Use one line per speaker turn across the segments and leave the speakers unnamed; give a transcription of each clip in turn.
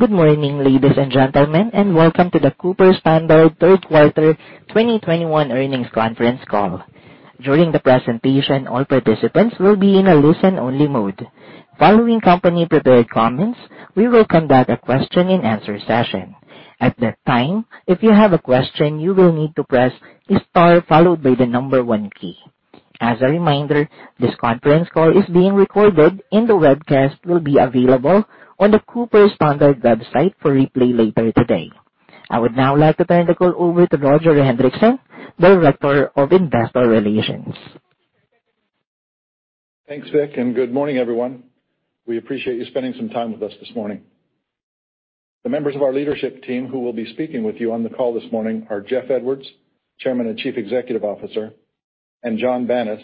Good morning, Ladies and Gentlemen, and welcome to the Cooper Standard third quarter 2021 earnings conference call. During the presentation, all participants will be in a listen-only mode. Following company prepared comments, we will conduct a question-and-answer session. At that time, if you have a question, you will need to press Star followed by the number one key. As a reminder, this conference call is being recorded and the webcast will be available on the Cooper Standard website for replay later today. I would now like to turn the call over to Roger Hendriksen, Director of Investor Relations.
Thanks, Vic, and good morning, everyone. We appreciate you spending some time with us this morning. The members of our leadership team who will be speaking with you on the call this morning are Jeff Edwards, Chairman and Chief Executive Officer, and John Banas,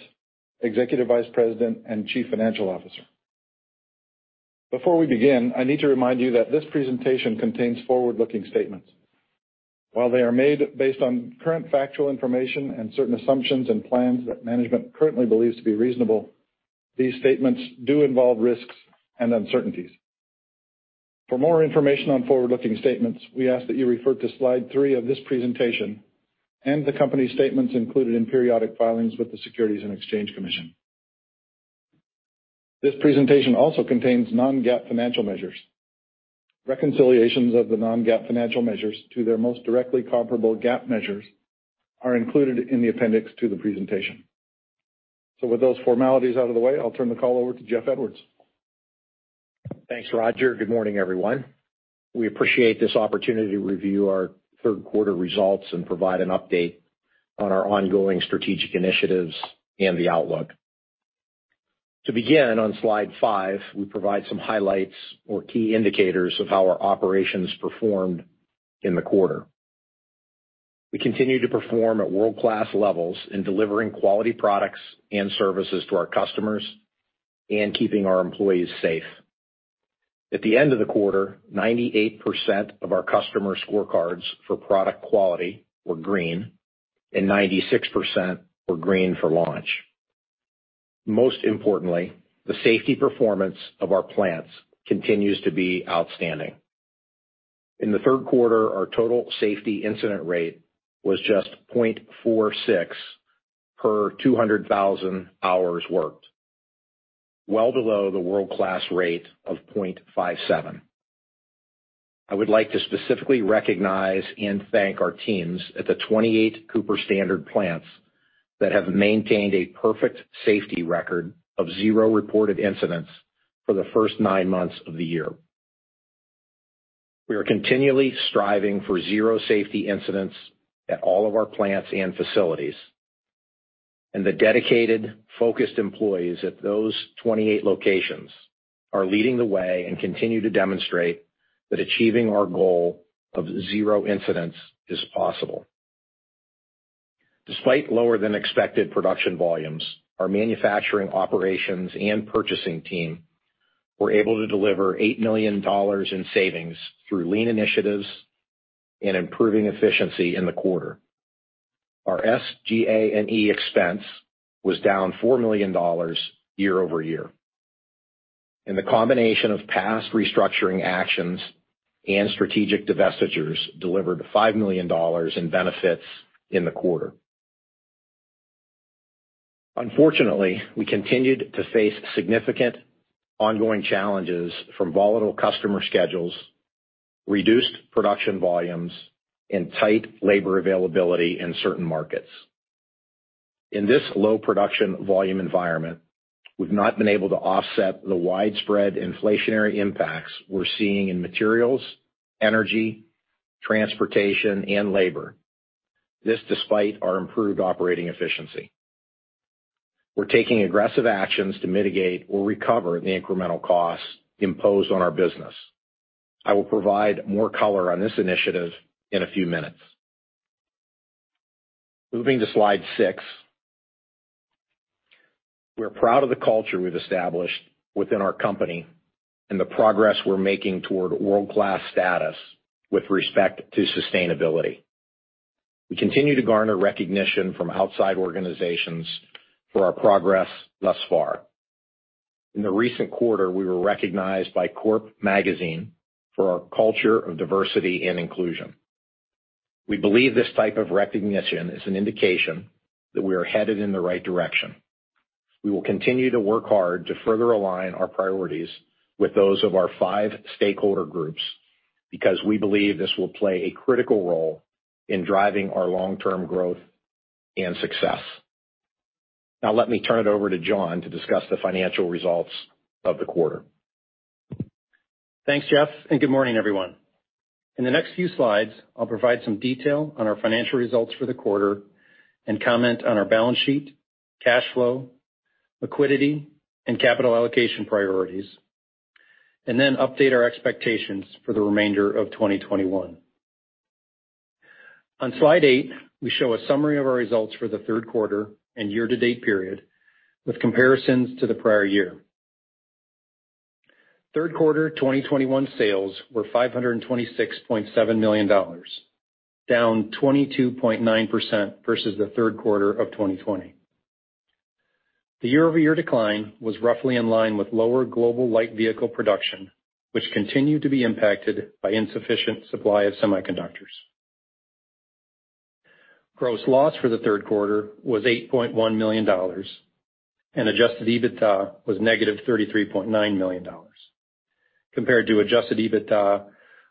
Executive Vice President and Chief Financial Officer. Before we begin, I need to remind you that this presentation contains forward-looking statements. While they are made based on current factual information and certain assumptions and plans that management currently believes to be reasonable, these statements do involve risks and uncertainties. For more information on forward-looking statements, we ask that you refer to slide three of this presentation and the company statements included in periodic filings with the Securities and Exchange Commission. This presentation also contains non-GAAP financial measures. Reconciliations of the non-GAAP financial measures to their most directly comparable GAAP measures are included in the appendix to the presentation. With those formalities out of the way, I'll turn the call over to Jeff Edwards.
Thanks, Roger. Good morning, everyone. We appreciate this opportunity to review our third quarter results and provide an update on our ongoing strategic initiatives and the outlook. To begin, on slide five, we provide some highlights or key indicators of how our operations performed in the quarter. We continue to perform at world-class levels in delivering quality products and services to our customers and keeping our employees safe. At the end of the quarter, 98% of our customer scorecards for product quality were green and 96% were green for launch. Most importantly, the safety performance of our plants continues to be outstanding. In the third quarter, our total safety incident rate was just 0.46 per 200,000 hours worked, well below the world-class rate of 0.57. I would like to specifically recognize and thank our teams at the 28 Cooper Standard plants that have maintained a perfect safety record of zero reported incidents for the first nine months of the year. We are continually striving for zero safety incidents at all of our plants and facilities, and the dedicated, focused employees at those 28 locations are leading the way and continue to demonstrate that achieving our goal of zero incidents is possible. Despite lower than expected production volumes, our manufacturing operations and purchasing team were able to deliver $8 million in savings through lean initiatives and improving efficiency in the quarter. Our SG&A and E expense was down $4 million year-over-year. The combination of past restructuring actions and strategic divestitures delivered $5 million in benefits in the quarter. Unfortunately, we continued to face significant ongoing challenges from volatile customer schedules, reduced production volumes, and tight labor availability in certain markets. In this low production volume environment, we've not been able to offset the widespread inflationary impacts we're seeing in materials, energy, transportation, and labor. This despite our improved operating efficiency. We're taking aggressive actions to mitigate or recover the incremental costs imposed on our business. I will provide more color on this initiative in a few minutes. Moving to slide six. We're proud of the culture we've established within our company and the progress we're making toward world-class status with respect to sustainability. We continue to garner recognition from outside organizations for our progress thus far. In the recent quarter, we were recognized by Corp! Magazine for our culture of diversity and inclusion. We believe this type of recognition is an indication that we are headed in the right direction. We will continue to work hard to further align our priorities with those of our five stakeholder groups because we believe this will play a critical role in driving our long-term growth and success. Now let me turn it over to John to discuss the financial results of the quarter.
Thanks, Jeff, and good morning, everyone. In the next few slides, I'll provide some detail on our financial results for the quarter and comment on our balance sheet, cash flow, liquidity, and capital allocation priorities, and then update our expectations for the remainder of 2021. On slide eight, we show a summary of our results for the third quarter and year-to-date period with comparisons to the prior year. Third quarter 2021 sales were $526.7 million, down 22.9% versus the third quarter of 2020. The year-over-year decline was roughly in line with lower global light vehicle production, which continued to be impacted by insufficient supply of semiconductors. Gross loss for the third quarter was $8.1 million and adjusted EBITDA was -$33.9 million compared to adjusted EBITDA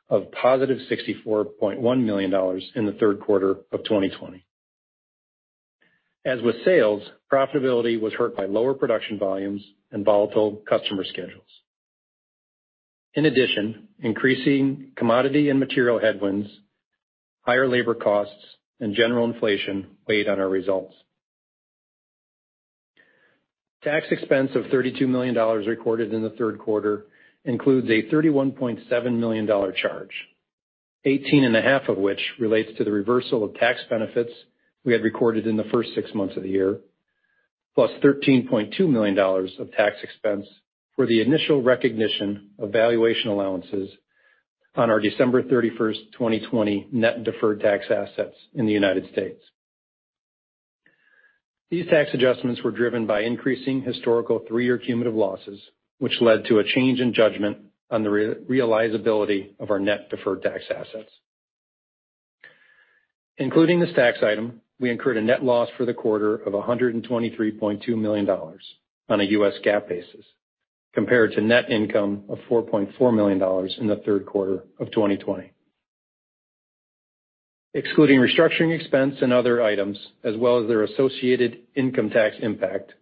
of +$64.1 million in the third quarter of 2020. As with sales, profitability was hurt by lower production volumes and volatile customer schedules. In addition, increasing commodity and material headwinds, higher labor costs, and general inflation weighed on our results. Tax expense of $32 million recorded in the third quarter includes a $31.7 million charge, 18.5 of which relates to the reversal of tax benefits we had recorded in the first six months of the year, plus $13.2 million of tax expense for the initial recognition of valuation allowances on our December 31, 2020 net deferred tax assets in the United States. These tax adjustments were driven by increasing historical three-year cumulative losses, which led to a change in judgment on the realizability of our net deferred tax assets. Including this tax item, we incurred a net loss for the quarter of $123.2 million on a US GAAP basis, compared to net income of $4.4 million in the third quarter of 2020. Excluding restructuring expense and other items, as well as their associated income tax impact,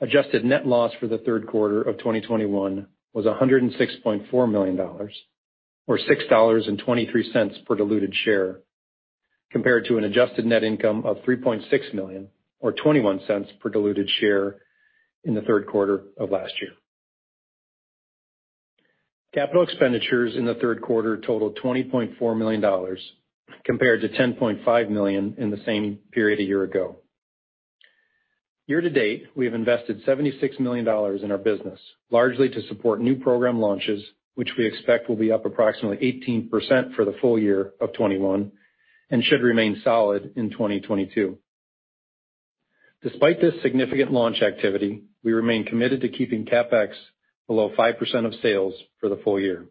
adjusted net loss for the third quarter of 2021 was $106.4 million or $6.23 per diluted share, compared to an adjusted net income of $3.6 million or $0.21 per diluted share in the third quarter of last year. Capital expenditures in the third quarter totaled $20.4 million compared to $10.5 million in the same period a year ago. Year-to-date, we have invested $76 million in our business, largely to support new program launches, which we expect will be up approximately 18% for the full year of 2021 and should remain solid in 2022. Despite this significant launch activity, we remain committed to keeping CapEx below 5% of sales for the full year.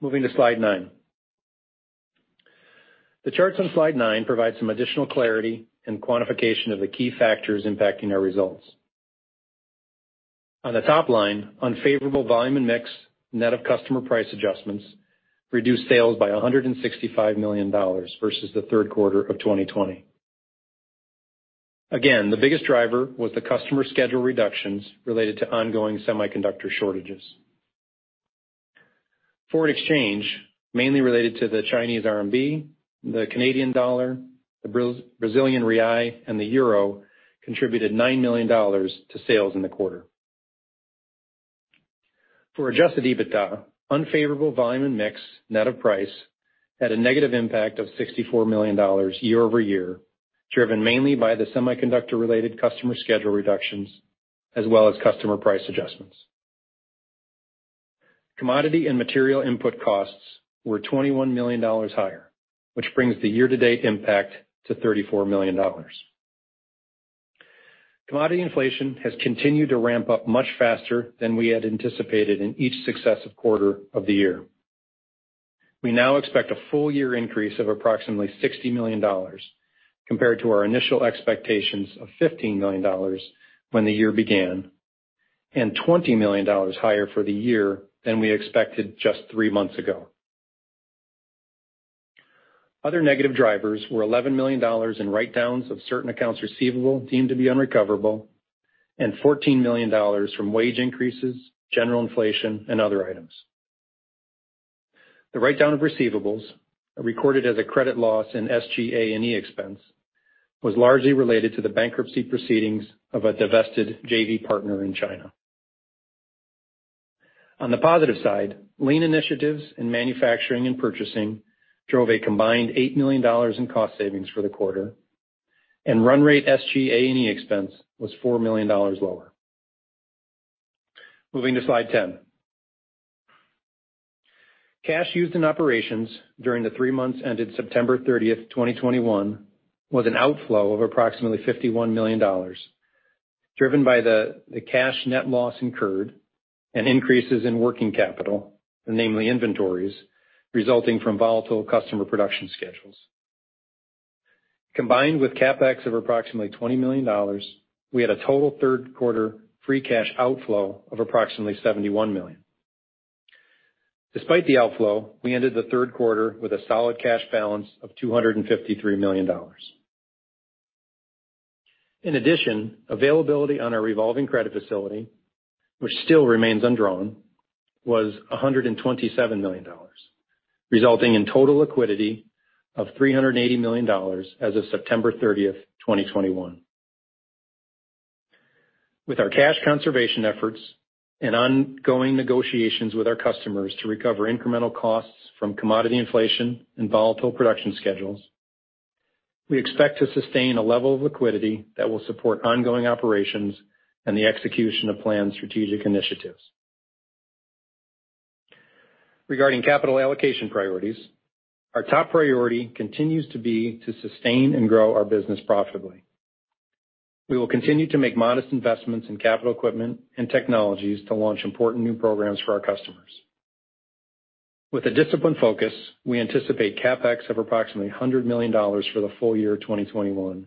Moving to slide nine. The charts on slide nine provide some additional clarity and quantification of the key factors impacting our results. On the top line, unfavorable volume and mix, net of customer price adjustments, reduced sales by $165 million versus the third quarter of 2020. Again, the biggest driver was the customer schedule reductions related to ongoing semiconductor shortages. Foreign exchange, mainly related to the Chinese RMB, the Canadian dollar, the Brazilian real, and the euro contributed $9 million to sales in the quarter. For adjusted EBITDA, unfavorable volume and mix, net of price, had a negative impact of $64 million year-over-year, driven mainly by the semiconductor-related customer schedule reductions as well as customer price adjustments. Commodity and material input costs were $21 million higher, which brings the year-to-date impact to $34 million. Commodity inflation has continued to ramp up much faster than we had anticipated in each successive quarter of the year. We now expect a full year increase of approximately $60 million compared to our initial expectations of $15 million when the year began, and $20 million higher for the year than we expected just three months ago. Other negative drivers were $11 million in write-downs of certain accounts receivable deemed to be unrecoverable, and $14 million from wage increases, general inflation, and other items. The write-down of receivables are recorded as a credit loss in SG&A&E expense, was largely related to the bankruptcy proceedings of a divested JV partner in China. On the positive side, lean initiatives in manufacturing and purchasing drove a combined $8 million in cost savings for the quarter, and run rate SG&A&E expense was $4 million lower. Moving to slide 10. Cash used in operations during the three months ended September 30, 2021, was an outflow of approximately $51 million, driven by the cash net loss incurred and increases in working capital, namely inventories, resulting from volatile customer production schedules. Combined with CapEx of approximately $20 million, we had a total third quarter free cash outflow of approximately $71 million. Despite the outflow, we ended the third quarter with a solid cash balance of $253 million. In addition, availability on our revolving credit facility, which still remains undrawn, was $127 million, resulting in total liquidity of $380 million as of September 30, 2021. With our cash conservation efforts and ongoing negotiations with our customers to recover incremental costs from commodity inflation and volatile production schedules, we expect to sustain a level of liquidity that will support ongoing operations and the execution of planned strategic initiatives. Regarding capital allocation priorities, our top priority continues to be to sustain and grow our business profitably. We will continue to make modest investments in capital equipment and technologies to launch important new programs for our customers. With a disciplined focus, we anticipate CapEx of approximately $100 million for the full year of 2021,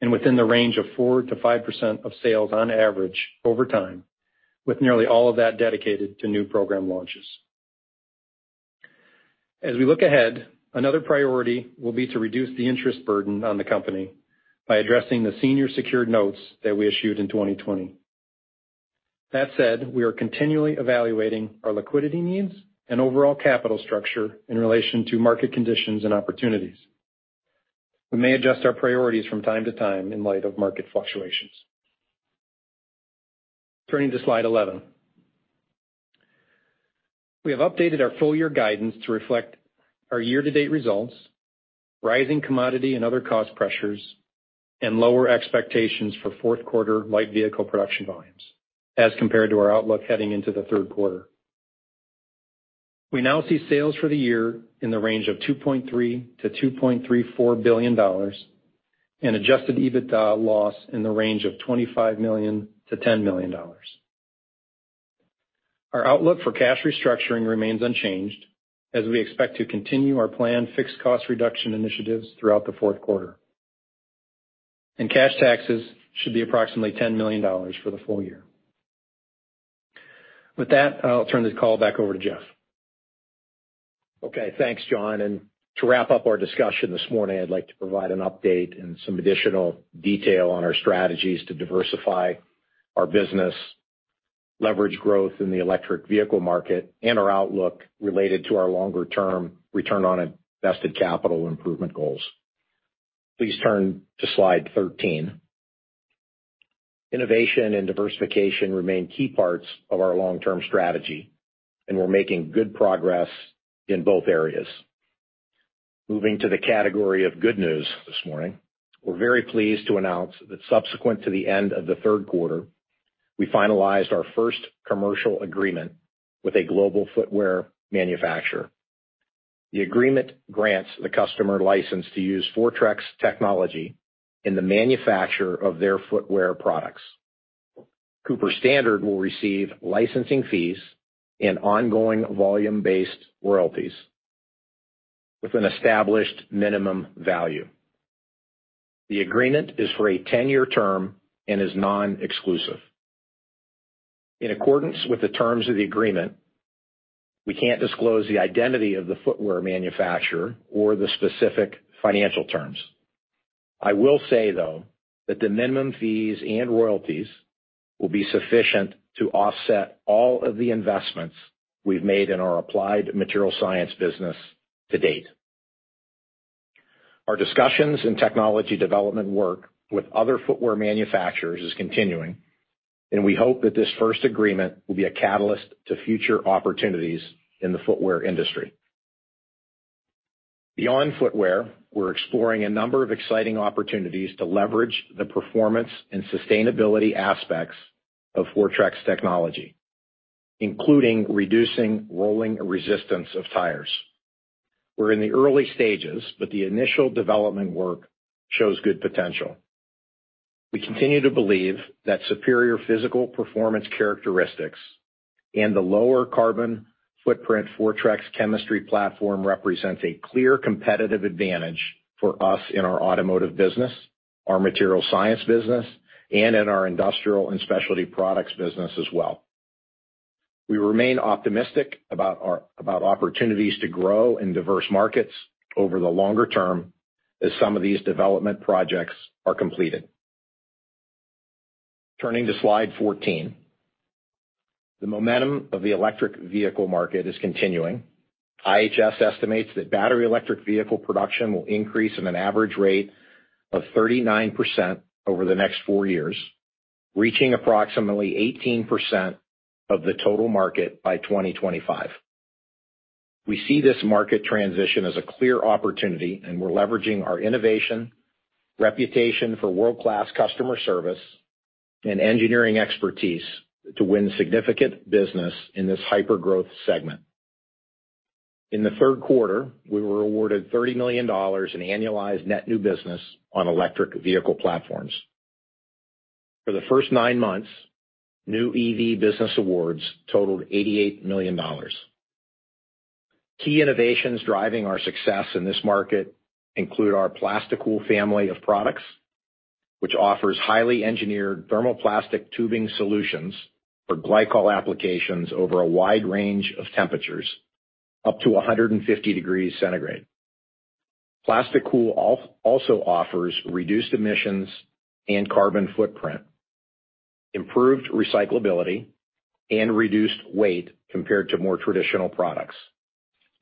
and within the range of 4%-5% of sales on average over time, with nearly all of that dedicated to new program launches. As we look ahead, another priority will be to reduce the interest burden on the company by addressing the senior secured notes that we issued in 2020. That said, we are continually evaluating our liquidity needs and overall capital structure in relation to market conditions and opportunities. We may adjust our priorities from time to time in light of market fluctuations. Turning to slide 11. We have updated our full year guidance to reflect our year-to-date results, rising commodity and other cost pressures, and lower expectations for fourth quarter light vehicle production volumes as compared to our outlook heading into the third quarter. We now see sales for the year in the range of $2.3 billion-$2.34 billion and adjusted EBITDA loss in the range of $25 million-$10 million. Our outlook for cash restructuring remains unchanged as we expect to continue our planned fixed cost reduction initiatives throughout the fourth quarter. Cash taxes should be approximately $10 million for the full year. With that, I'll turn the call back over to Jeff.
Okay, thanks, John. To wrap up our discussion this morning, I'd like to provide an update and some additional detail on our strategies to diversify our business, leverage growth in the electric vehicle market, and our outlook related to our longer-term return on invested capital improvement goals. Please turn to slide 13. Innovation and diversification remain key parts of our long-term strategy, and we're making good progress in both areas. Moving to the category of good news this morning, we're very pleased to announce that subsequent to the end of the third quarter, we finalized our first commercial agreement with a global footwear manufacturer. The agreement grants the customer license to use Fortrex technology in the manufacture of their footwear products. Cooper Standard will receive licensing fees and ongoing volume-based royalties with an established minimum value. The agreement is for a 10-year term and is non-exclusive. In accordance with the terms of the agreement, we can't disclose the identity of the footwear manufacturer or the specific financial terms. I will say, though, that the minimum fees and royalties will be sufficient to offset all of the investments we've made in our Applied Materials Science business to date. Our discussions and technology development work with other footwear manufacturers is continuing, and we hope that this first agreement will be a catalyst to future opportunities in the footwear industry. Beyond footwear, we're exploring a number of exciting opportunities to leverage the performance and sustainability aspects of Fortrex technology, including reducing rolling resistance of tires. We're in the early stages, but the initial development work shows good potential. We continue to believe that superior physical performance characteristics and the lower carbon footprint Fortrex chemistry platform represents a clear competitive advantage for us in our automotive business, our material science business, and in our industrial and specialty products business as well. We remain optimistic about our opportunities to grow in diverse markets over the longer term as some of these development projects are completed. Turning to slide 14. The momentum of the electric vehicle market is continuing. IHS estimates that battery electric vehicle production will increase at an average rate of 39% over the next four years, reaching approximately 18% of the total market by 2025. We see this market transition as a clear opportunity, and we're leveraging our innovation, reputation for world-class customer service, and engineering expertise to win significant business in this hypergrowth segment. In the third quarter, we were awarded $30 million in annualized net new business on electric vehicle platforms. For the first nine months, new EV business awards totaled $88 million. Key innovations driving our success in this market include our PlastiCool family of products, which offers highly engineered thermoplastic tubing solutions for glycol applications over a wide range of temperatures, up to 150 degrees centigrade. PlastiCool also offers reduced emissions and carbon footprint, improved recyclability, and reduced weight compared to more traditional products,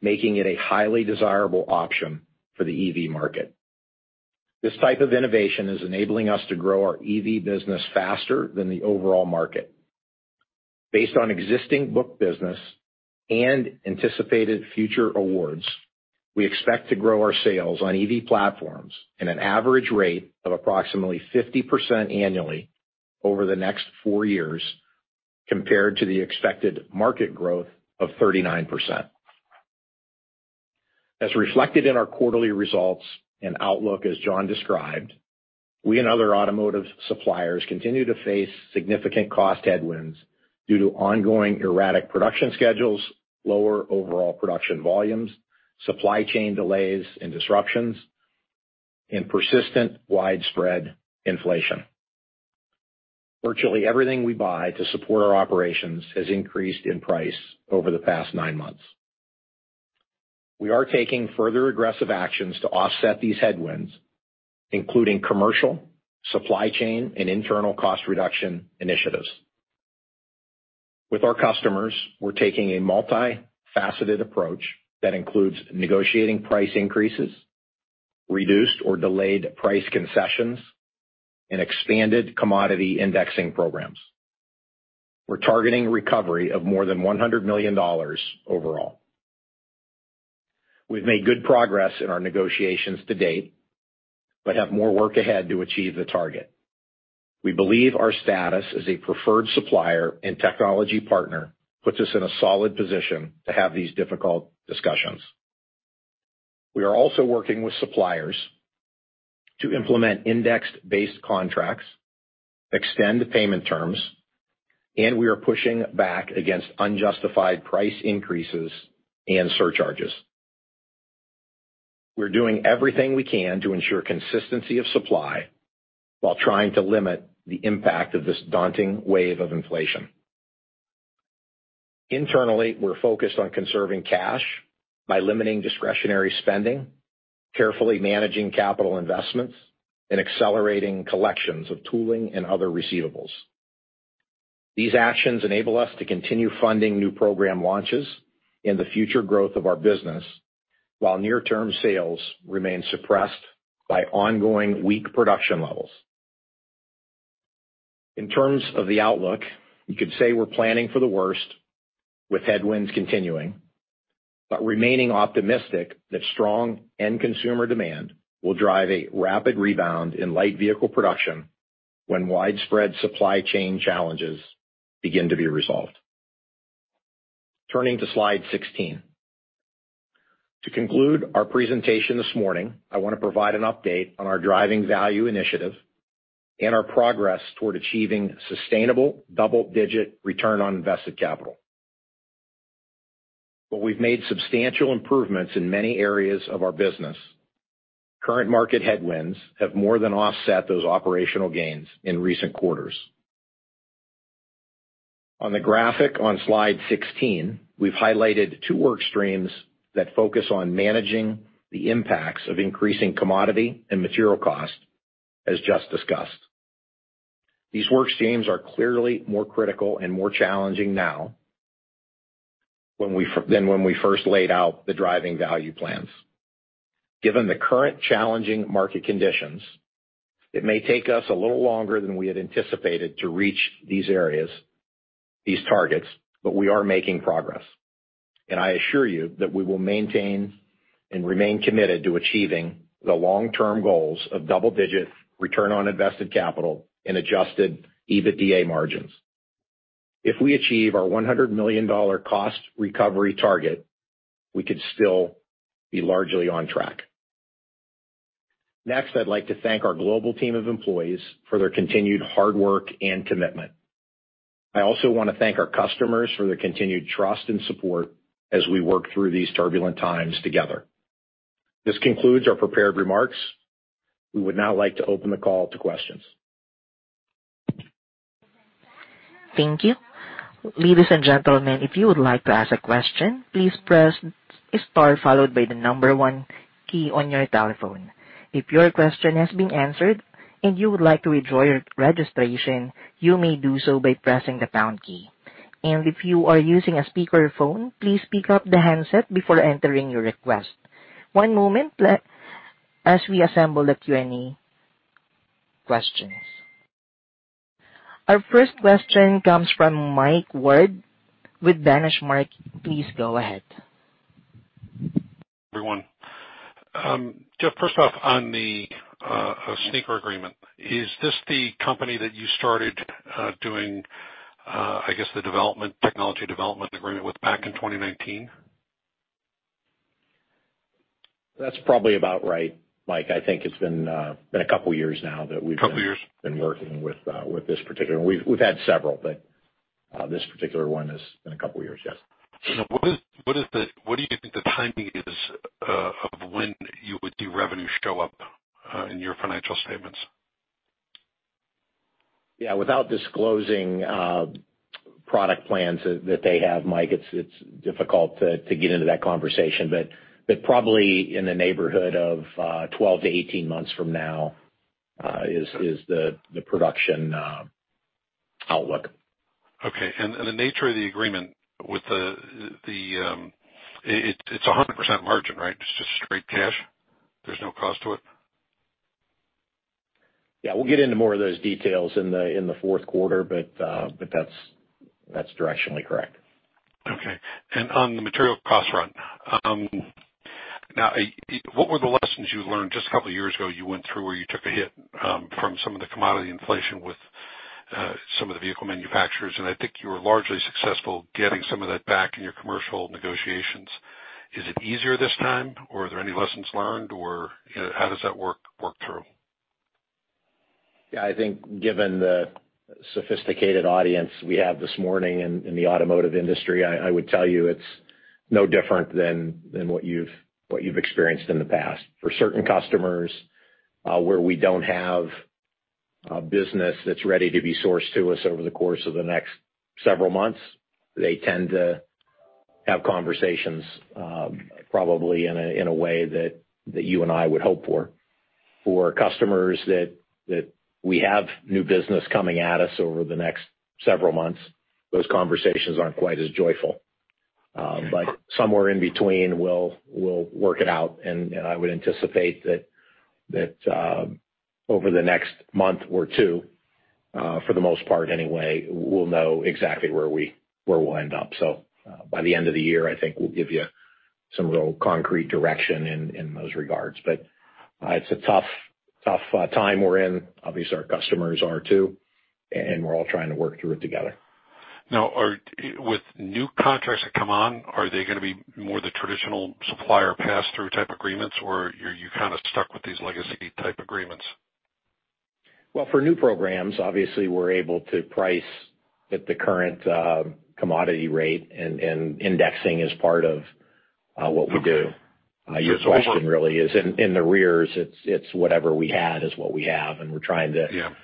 making it a highly desirable option for the EV market. This type of innovation is enabling us to grow our EV business faster than the overall market. Based on existing book business and anticipated future awards. We expect to grow our sales on EV platforms at an average rate of approximately 50% annually over the next four years, compared to the expected market growth of 39%. As reflected in our quarterly results and outlook, as John described, we and other automotive suppliers continue to face significant cost headwinds due to ongoing erratic production schedules, lower overall production volumes, supply chain delays and disruptions, and persistent widespread inflation. Virtually everything we buy to support our operations has increased in price over the past nine months. We are taking further aggressive actions to offset these headwinds, including commercial, supply chain, and internal cost reduction initiatives. With our customers, we're taking a multi-faceted approach that includes negotiating price increases, reduced or delayed price concessions, and expanded commodity indexing programs. We're targeting recovery of more than $100 million overall. We've made good progress in our negotiations to date, but have more work ahead to achieve the target. We believe our status as a preferred supplier and technology partner puts us in a solid position to have these difficult discussions. We are also working with suppliers to implement index-based contracts, extend payment terms, and we are pushing back against unjustified price increases and surcharges. We're doing everything we can to ensure consistency of supply while trying to limit the impact of this daunting wave of inflation. Internally, we're focused on conserving cash by limiting discretionary spending, carefully managing capital investments, and accelerating collections of tooling and other receivables. These actions enable us to continue funding new program launches and the future growth of our business, while near-term sales remain suppressed by ongoing weak production levels. In terms of the outlook, you could say we're planning for the worst with headwinds continuing, but remaining optimistic that strong end consumer demand will drive a rapid rebound in light vehicle production when widespread supply chain challenges begin to be resolved. Turning to slide 16. To conclude our presentation this morning, I wanna provide an update on our Driving Value initiative and our progress toward achieving sustainable double-digit return on invested capital. We've made substantial improvements in many areas of our business. Current market headwinds have more than offset those operational gains in recent quarters. On the graphic on slide 16, we've highlighted two work streams that focus on managing the impacts of increasing commodity and material cost, as just discussed. These work streams are clearly more critical and more challenging now than when we first laid out the Driving Value plans. Given the current challenging market conditions, it may take us a little longer than we had anticipated to reach these areas, these targets, but we are making progress. I assure you that we will maintain and remain committed to achieving the long-term goals of double-digit return on invested capital and adjusted EBITDA margins. If we achieve our $100 million cost recovery target, we could still be largely on track. Next, I'd like to thank our global team of employees for their continued hard work and commitment. I also wanna thank our customers for their continued trust and support as we work through these turbulent times together. This concludes our prepared remarks. We would now like to open the call to questions.
Thank you. Ladies and gentlemen, if you would like to ask a question, please press star followed by the one key on your telephone. If your question has been answered and you would like to withdraw your registration, you may do so by pressing the pound key. If you are using a speakerphone, please pick up the handset before entering your request. One moment as we assemble the Q&A questions. Our first question comes from Mike Ward with Benchmark. Please go ahead.
Everyone. Jeff, first off on the sneaker agreement, is this the company that you started doing, I guess the technology development agreement with back in 2019?
That's probably about right, Mike. I think it's been a couple years now that we've been.
Couple years.
I've been working with this particular one. We've had several, but this particular one has been a couple of years, yes.
What do you think the timing is of when you would see revenue show up in your financial statements?
Yeah, without disclosing product plans that they have, Mike, it's difficult to get into that conversation. Probably in the neighborhood of 12-18 months from now is the production outlook.
Okay. The nature of the agreement, it's 100% margin, right? It's just straight cash. There's no cost to it?
Yeah, we'll get into more of those details in the fourth quarter, but that's directionally correct.
Okay. On the material cost run, now what were the lessons you learned? Just a couple of years ago, you went through when you took a hit from some of the commodity inflation with some of the vehicle manufacturers, and I think you were largely successful getting some of that back in your commercial negotiations. Is it easier this time, or are there any lessons learned, or, you know, how does that work through?
Yeah, I think given the sophisticated audience we have this morning in the automotive industry, I would tell you it's no different than what you've experienced in the past. For certain customers where we don't have a business that's ready to be sourced to us over the course of the next several months, they tend to have conversations probably in a way that you and I would hope for. For customers that we have new business coming at us over the next several months, those conversations aren't quite as joyful. Somewhere in between, we'll work it out and I would anticipate that over the next month or two, for the most part anyway, we'll know exactly where we'll end up. By the end of the year, I think we'll give you some real concrete direction in those regards. It's a tough time we're in. Obviously, our customers are too, and we're all trying to work through it together.
With new contracts that come on, are they gonna be more the traditional supplier pass-through type agreements, or are you kinda stuck with these legacy type agreements?
Well, for new programs, obviously, we're able to price at the current commodity rate, and indexing is part of what we do.
Okay.
Your question really is in the rearview. It's whatever we had is what we have, and we're trying to
Yeah. Yeah.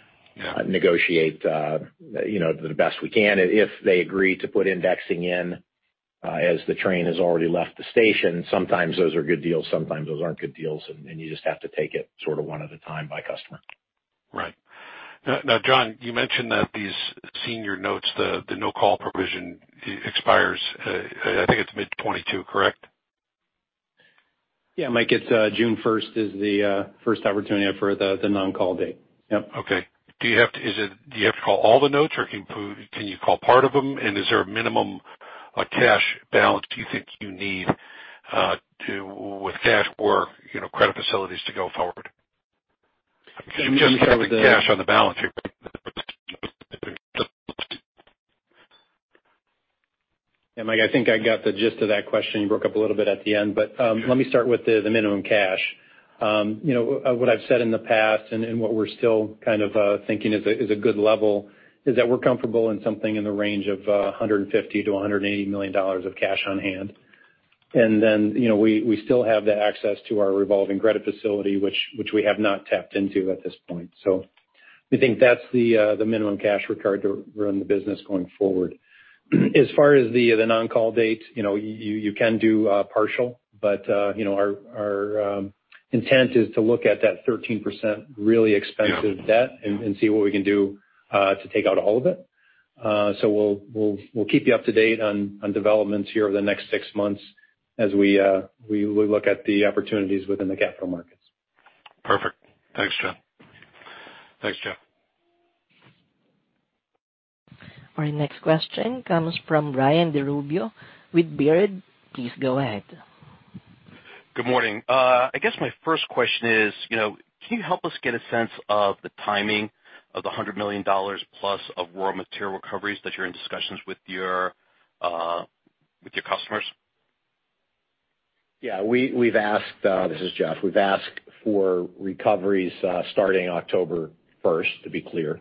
negotiate, you know, the best we can. If they agree to put indexing in, as the train has already left the station, sometimes those are good deals, sometimes those aren't good deals, and you just have to take it sort of one at a time by customer.
Right. Now, John, you mentioned that these senior notes, the no-call provision expires, I think it's mid-2022, correct?
Yeah. Mike, it's June first is the first opportunity for the non-call date. Yep.
Okay. Do you have to call all the notes, or can you call part of them? Is there a minimum cash balance you think you need to go forward with cash or, you know, credit facilities? Cash on the balance sheet.
Yeah, Mike, I think I got the gist of that question. You broke up a little bit at the end. Let me start with the minimum cash. You know, what I've said in the past and what we're still kind of thinking is a good level is that we're comfortable in something in the range of $150 million-$180 million of cash on hand. You know, we still have the access to our revolving credit facility, which we have not tapped into at this point. We think that's the minimum cash required to run the business going forward. As far as the non-call date, you know, you can do partial, but you know, our intent is to look at that 13% really expensive debt.
Yeah.
See what we can do to take out all of it. We'll keep you up to date on developments here over the next six months as we look at the opportunities within the capital markets.
Perfect. Thanks, John Banas. Thanks, Jeff Edwards.
Our next question comes from Ryan Sigdahl with Baird. Please go ahead.
Good morning. I guess my first question is, you know, can you help us get a sense of the timing of the $100 million plus of raw material recoveries that you're in discussions with your customers?
This is Jeff. We've asked for recoveries starting October first, to be clear.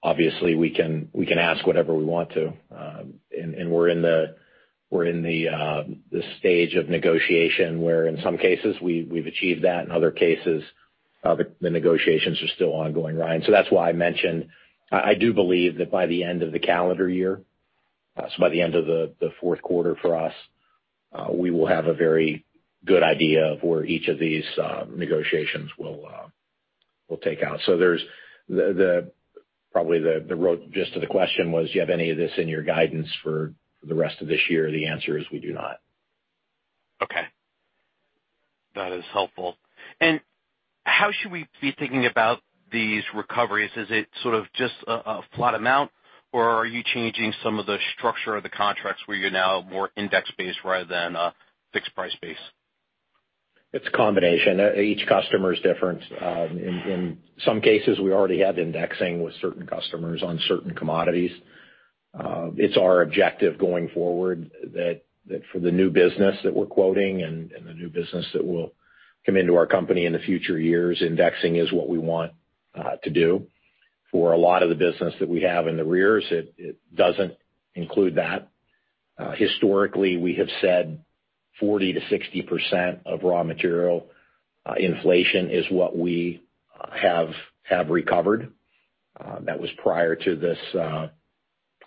Obviously, we can ask whatever we want to, and we're in the stage of negotiation where in some cases we've achieved that, in other cases, the negotiations are still ongoing, Ryan. That's why I mentioned I do believe that by the end of the calendar year, so by the end of the fourth quarter for us, we will have a very good idea of where each of these negotiations will take out. That's probably the real gist of the question was, do you have any of this in your guidance for the rest of this year? The answer is we do not.
Okay. That is helpful. How should we be thinking about these recoveries? Is it sort of just a flat amount, or are you changing some of the structure of the contracts where you're now more index-based rather than a fixed price base?
It's a combination. Each customer is different. In some cases, we already have indexing with certain customers on certain commodities. It's our objective going forward that for the new business that we're quoting and the new business that will come into our company in the future years, indexing is what we want to do. For a lot of the business that we have in the rears, it doesn't include that. Historically, we have said 40%-60% of raw material inflation is what we have recovered. That was prior to this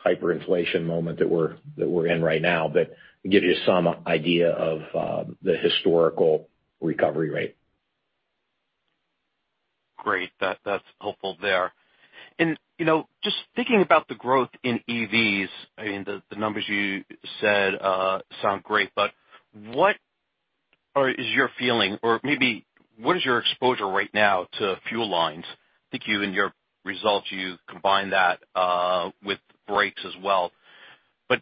hyperinflation moment that we're in right now, but to give you some idea of the historical recovery rate.
Great. That's helpful there. You know, just thinking about the growth in EVs, I mean, the numbers you said sound great, but is your feeling or maybe what is your exposure right now to fuel lines? I think, in your results, you combine that with brakes as well.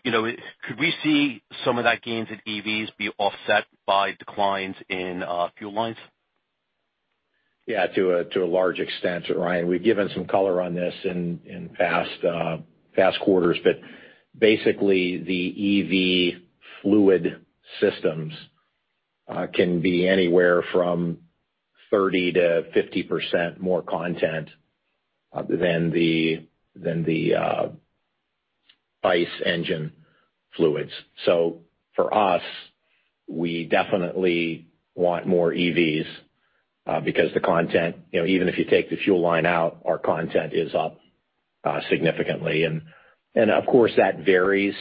You know, could we see some of those gains in EVs be offset by declines in fuel lines?
Yeah, to a large extent, Ryan. We've given some color on this in past quarters, but basically the EV fluid systems can be anywhere from 30%-50% more content than the ICE engine fluids. So for us, we definitely want more EVs because the content, you know, even if you take the fuel line out, our content is up significantly. Of course that varies,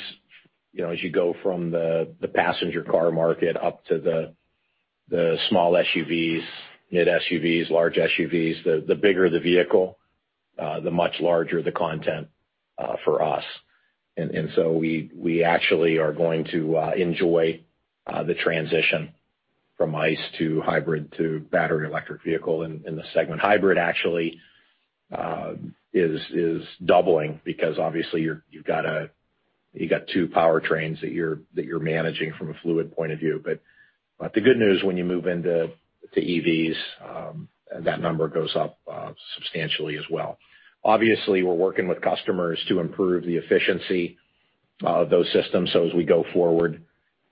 you know, as you go from the passenger car market up to the small SUVs, mid SUVs, large SUVs. The bigger the vehicle, the much larger the content for us. We actually are going to enjoy the transition from ICE to hybrid to battery electric vehicle in the segment. Hybrid actually is doubling because obviously you've got two powertrains that you're managing from a fluid point of view. The good news when you move into EVs that number goes up substantially as well. Obviously, we're working with customers to improve the efficiency of those systems. As we go forward,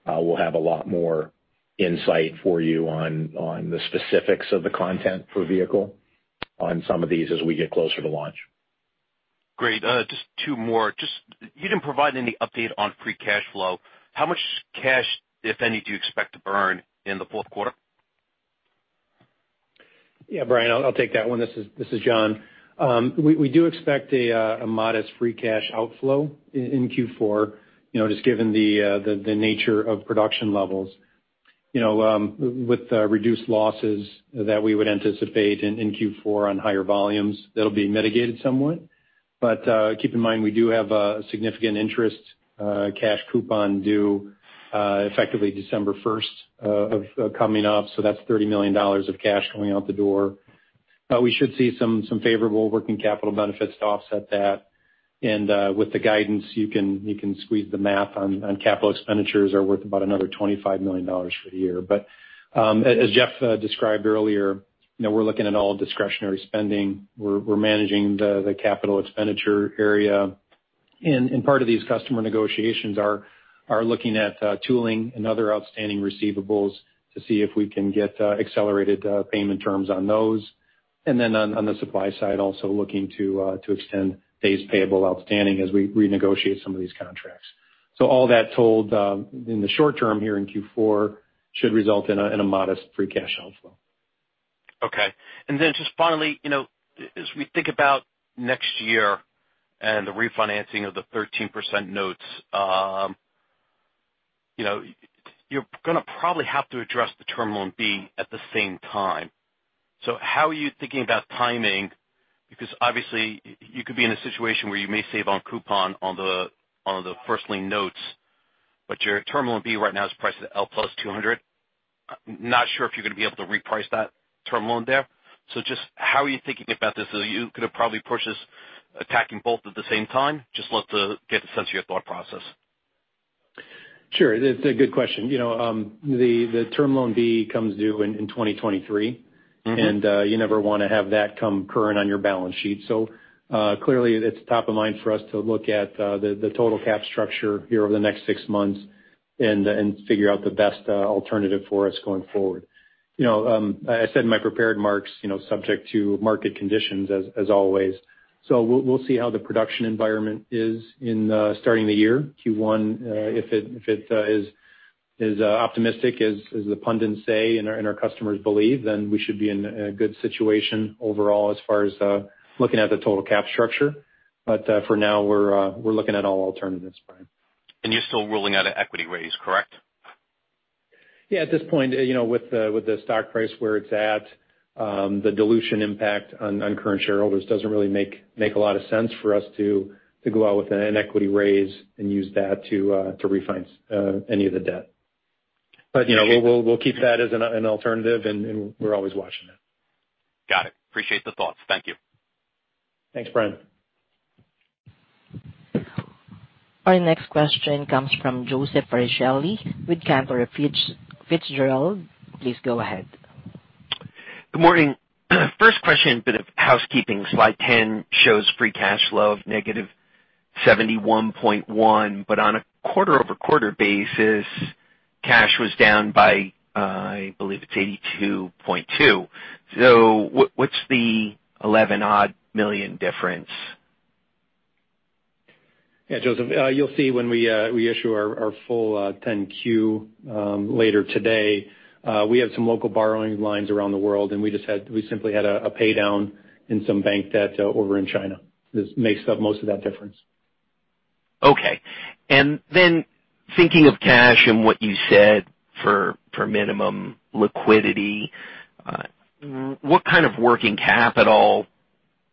we'll have a lot more insight for you on the specifics of the content per vehicle on some of these as we get closer to launch.
Great. Just two more. Just you didn't provide any update on free cash flow. How much cash, if any, do you expect to burn in the fourth quarter?
Yeah, Ryan, I'll take that one. This is John Banas. We do expect a modest free cash outflow in Q4, you know, just given the nature of production levels. You know, with the reduced losses that we would anticipate in Q4 on higher volumes, that'll be mitigated somewhat. Keep in mind, we do have a significant interest cash coupon due effectively December first coming up, so that's $30 million of cash going out the door. We should see some favorable working capital benefits to offset that. With the guidance, you can squeeze the math on capital expenditures are worth about another $25 million for the year. As Jeff Edwards described earlier, you know, we're looking at all discretionary spending. We're managing the capital expenditure area. Part of these customer negotiations are looking at tooling and other outstanding receivables to see if we can get accelerated payment terms on those. Then on the supply side, also looking to extend days payable outstanding as we renegotiate some of these contracts. All told, in the short term here in Q4 should result in a modest free cash outflow.
Okay. Then just finally, you know, as we think about next year and the refinancing of the 13% notes, you know, you're gonna probably have to address the Term Loan B at the same time. How are you thinking about timing? Because obviously you could be in a situation where you may save on coupon on the, on the first lien notes, but your Term Loan B right now is priced at LIBOR + 200 bps. Not sure if you're gonna be able to reprice that term loan there. Just how are you thinking about this? You could have probably pushed this attacking both at the same time. Just love to get a sense of your thought process.
Sure. It's a good question. You know, the Term Loan B comes due in 2023.
Mm-hmm.
You never wanna have that come current on your balance sheet. Clearly it's top of mind for us to look at the total cap structure here over the next six months and figure out the best alternative for us going forward. You know, I said in my prepared remarks, you know, subject to market conditions as always. We'll see how the production environment is in starting the year, Q1. If it is optimistic as the pundits say and our customers believe, then we should be in a good situation overall as far as looking at the total cap structure. For now, we're looking at all alternatives, Ryan.
You're still ruling out an equity raise, correct?
Yeah, at this point, you know, with the stock price where it's at, the dilution impact on current shareholders doesn't really make a lot of sense for us to go out with an equity raise and use that to refi any of the debt. But, you know, we'll keep that as an alternative, and we're always watching that.
Got it. Appreciate the thoughts. Thank you.
Thanks, Ryan.
Our next question comes from Joseph Farricielli with Cantor Fitzgerald. Please go ahead.
Good morning. First question, a bit of housekeeping. Slide 10 shows free cash flow of -$71.1 million, but on a quarter-over-quarter basis, cash was down by, I believe it's $82.2 million. What's the 11-odd million difference?
Yeah, Joseph, you'll see when we issue our full 10-Q later today. We have some local borrowing lines around the world, and we simply had a pay down in some bank debt over in China. This makes up most of that difference.
Okay. Thinking of cash and what you said for minimum liquidity, what kind of working capital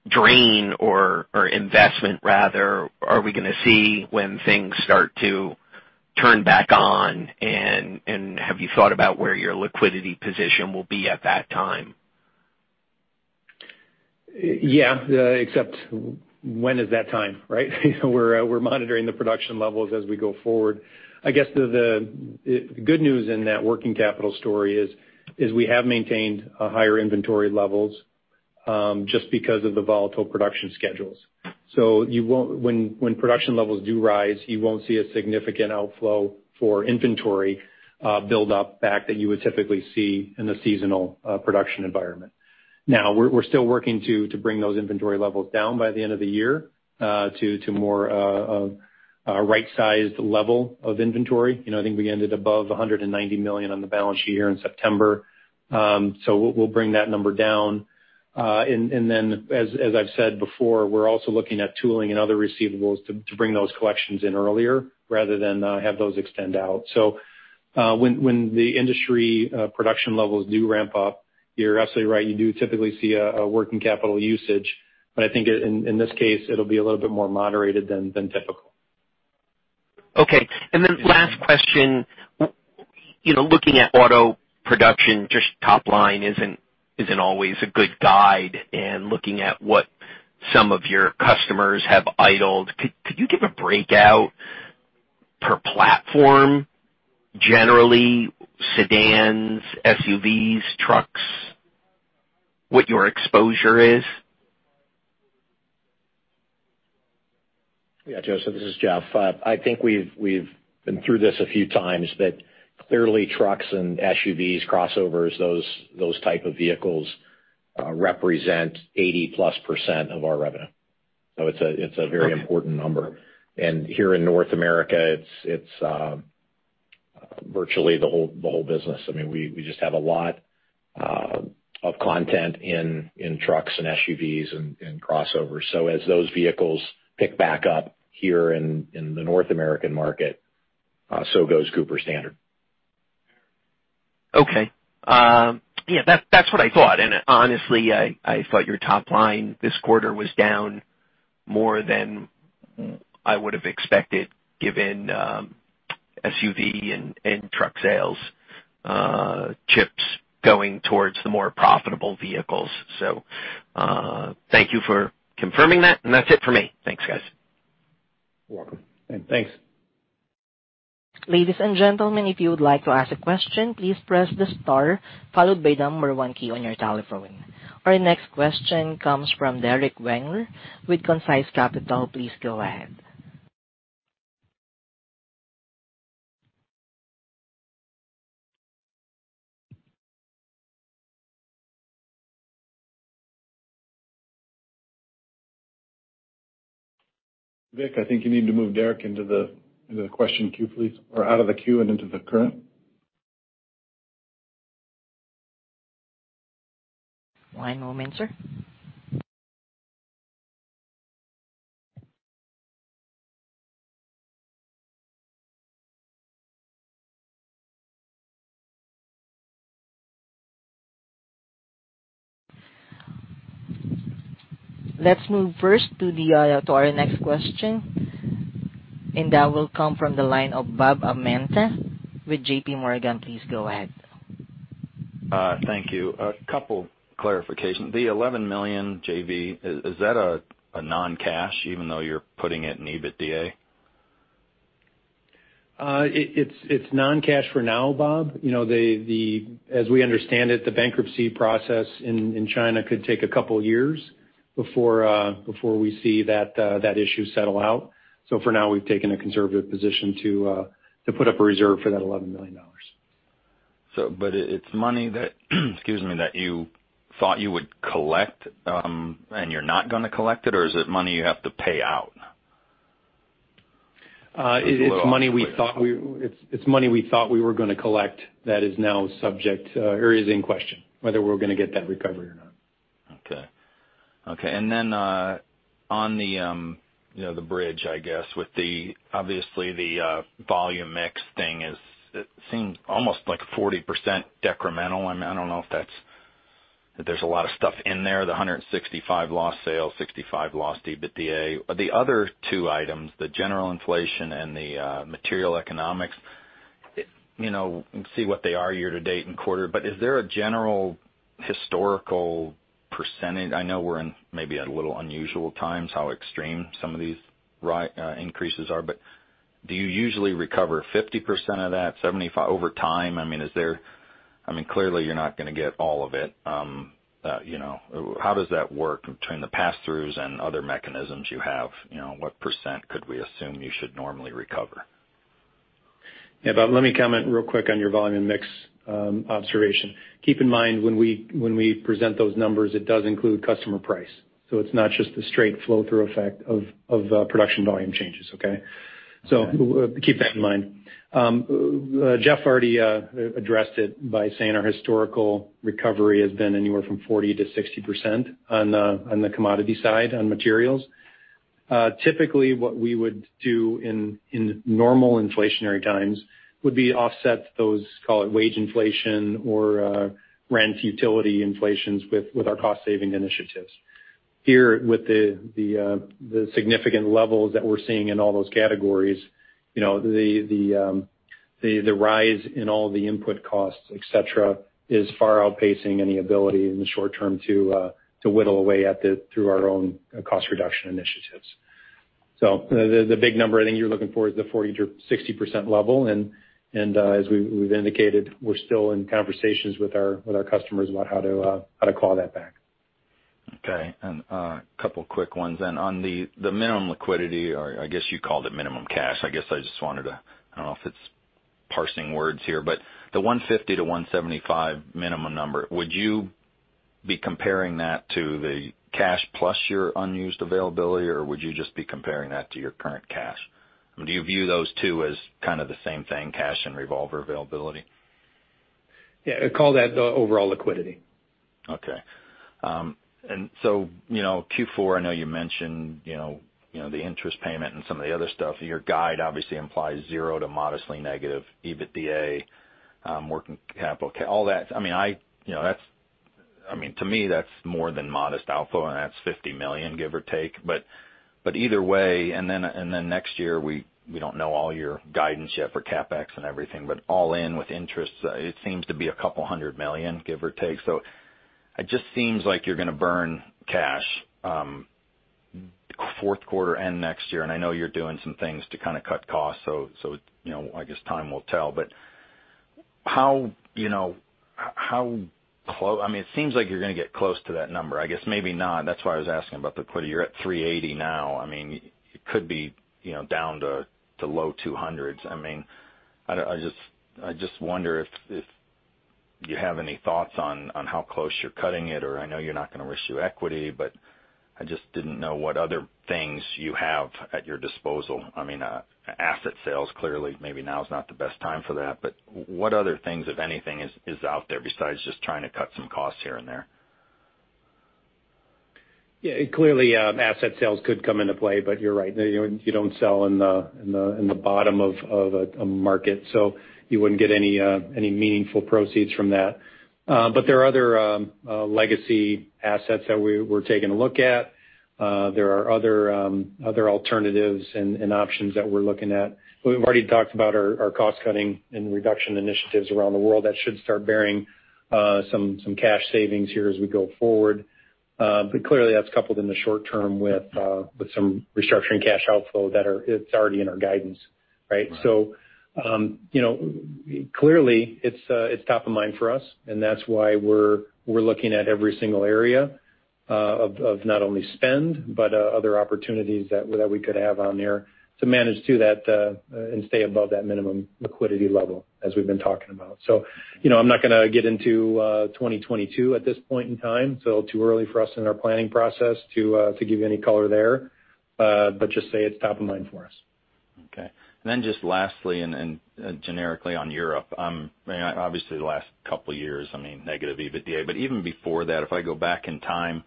drain or investment rather are we gonna see when things start to turn back on and have you thought about where your liquidity position will be at that time?
Yeah, except when is that time, right? You know, we're monitoring the production levels as we go forward. I guess the good news in that working capital story is we have maintained a higher inventory levels just because of the volatile production schedules. When production levels do rise, you won't see a significant outflow for inventory buildup back that you would typically see in a seasonal production environment. Now we're still working to bring those inventory levels down by the end of the year to more of a right-sized level of inventory. You know, I think we ended above $190 million on the balance sheet here in September. So we'll bring that number down. As I've said before, we're also looking at tooling and other receivables to bring those collections in earlier rather than have those extend out. When the industry production levels do ramp up, you're absolutely right, you do typically see a working capital usage. I think in this case, it'll be a little bit more moderated than typical.
Okay. Then last question. You know, looking at auto production, just top line isn't always a good guide. Looking at what some of your customers have idled, could you give a breakout per platform, generally sedans, SUVs, trucks, what your exposure is?
Yeah, Joseph, this is Jeff. I think we've been through this a few times, that clearly trucks and SUVs, crossovers, those type of vehicles represent 80%+ of our revenue. It's a very important number. Here in North America, it's virtually the whole business. I mean, we just have a lot of content in trucks and SUVs and crossovers. As those vehicles pick back up here in the North American market, so goes Cooper Standard.
Okay. Yeah, that's what I thought. Honestly, I thought your top line this quarter was down more than I would have expected given SUV and truck sales, chips going towards the more profitable vehicles. Thank you for confirming that. That's it for me. Thanks, guys.
You're welcome.
Thanks.
Our next question comes from Derrick Wenger with Concise Capital Management. Please go ahead.
Vic, I think you need to move Derrick into the question queue, please, or out of the queue and into the current.
One moment, sir. Let's move first to our next question, and that will come from the line of Bob Amenta with JPMorgan. Please go ahead.
Thank you. A couple clarifications. The $11 million JV, is that a non-cash event even though you're putting it in EBITDA?
It's non-cash for now, Bob. You know, as we understand it, the bankruptcy process in China could take a couple years before we see that issue settle out. For now, we've taken a conservative position to put up a reserve for that $11 million.
It's money that you thought you would collect, and you're not gonna collect it or is it money you have to pay out?
It's money we thought we.
A little unclear.
It's money we thought we were gonna collect that is now subject, or is in question, whether we're gonna get that recovery or not.
Okay. Then, on the, you know, the bridge, I guess, with obviously the volume mix thing is it seems almost like 40% decremental. I mean, I don't know if that's. There's a lot of stuff in there, the $165 lost sales, $65 lost EBITDA. The other two items, the general inflation and the material economics, you know, we see what they are year to date and quarter. Is there a general historical percentage? I know we're in maybe a little unusual times how extreme some of these increases are, but do you usually recover 50% of that, 75% over time? I mean, is there. I mean, clearly, you're not gonna get all of it. You know, how does that work between the pass-throughs and other mechanisms you have? You know, what percent could we assume you should normally recover?
Yeah. Let me comment real quick on your volume mix observation. Keep in mind when we present those numbers, it does include customer price. It's not just the straight flow through effect of production volume changes. Okay. Keep that in mind. Jeff already addressed it by saying our historical recovery has been anywhere from 40%-60% on the commodity side, on materials. Typically, what we would do in normal inflationary times would be offset those, call it wage inflation or rent utility inflations with our cost saving initiatives. Here, with the significant levels that we're seeing in all those categories, you know, the rise in all the input costs, et cetera, is far outpacing any ability in the short term to whittle away at it through our own cost reduction initiatives. The big number I think you're looking for is the 40%-60% level. As we've indicated, we're still in conversations with our customers about how to call that back.
Okay. A couple quick ones then. On the minimum liquidity, or I guess you called it minimum cash. I guess I just wanted to. I don't know if it's parsing words here, but the 150-175 minimum number, would you be comparing that to the cash plus your unused availability? Would you just be comparing that to your current cash? Do you view those two as kind of the same thing, cash and revolver availability?
Yeah. I call that the overall liquidity.
Okay. You know, Q4, I know you mentioned, you know, the interest payment and some of the other stuff. Your guide obviously implies zero to modestly negative EBITDA, working capital. All that, I mean, you know, that's, I mean, to me, that's more than modest outflow, and that's $50 million, give or take. But either way, and then next year, we don't know all your guidance yet for CapEx and everything. All in with interest, it seems to be $200 million, give or take. It just seems like you're gonna burn cash, fourth quarter and next year. I know you're doing some things to kinda cut costs, so you know, I guess time will tell. How, you know, how clo, I mean, it seems like you're gonna get close to that number. I guess maybe not. That's why I was asking about the liquidity. You're at $380 now. I mean, it could be, you know, down to low $200s. I just wonder if you have any thoughts on how close you're cutting it or. I know you're not gonna issue equity, but I just didn't know what other things you have at your disposal. I mean, asset sales, clearly, maybe now is not the best time for that. What other things, if anything, is out there besides just trying to cut some costs here and there?
Yeah. Clearly, asset sales could come into play, but you're right. You know, you don't sell in the bottom of a market, so you wouldn't get any meaningful proceeds from that. But there are other legacy assets that we're taking a look at. There are other alternatives and options that we're looking at. We've already talked about our cost-cutting and reduction initiatives around the world. That should start bearing some cash savings here as we go forward. But clearly, that's coupled in the short term with some restructuring cash outflow that's already in our guidance, right?
Right.
You know, clearly, it's top of mind for us, and that's why we're looking at every single area of not only spend, but other opportunities that we could have on there to manage to that and stay above that minimum liquidity level, as we've been talking about. You know, I'm not gonna get into 2022 at this point in time, it's too early for us in our planning process to give you any color there. But just say it's top of mind for us.
Okay. Just lastly, generically on Europe, I mean, obviously the last couple years, I mean, negative EBITDA. Even before that, if I go back in time,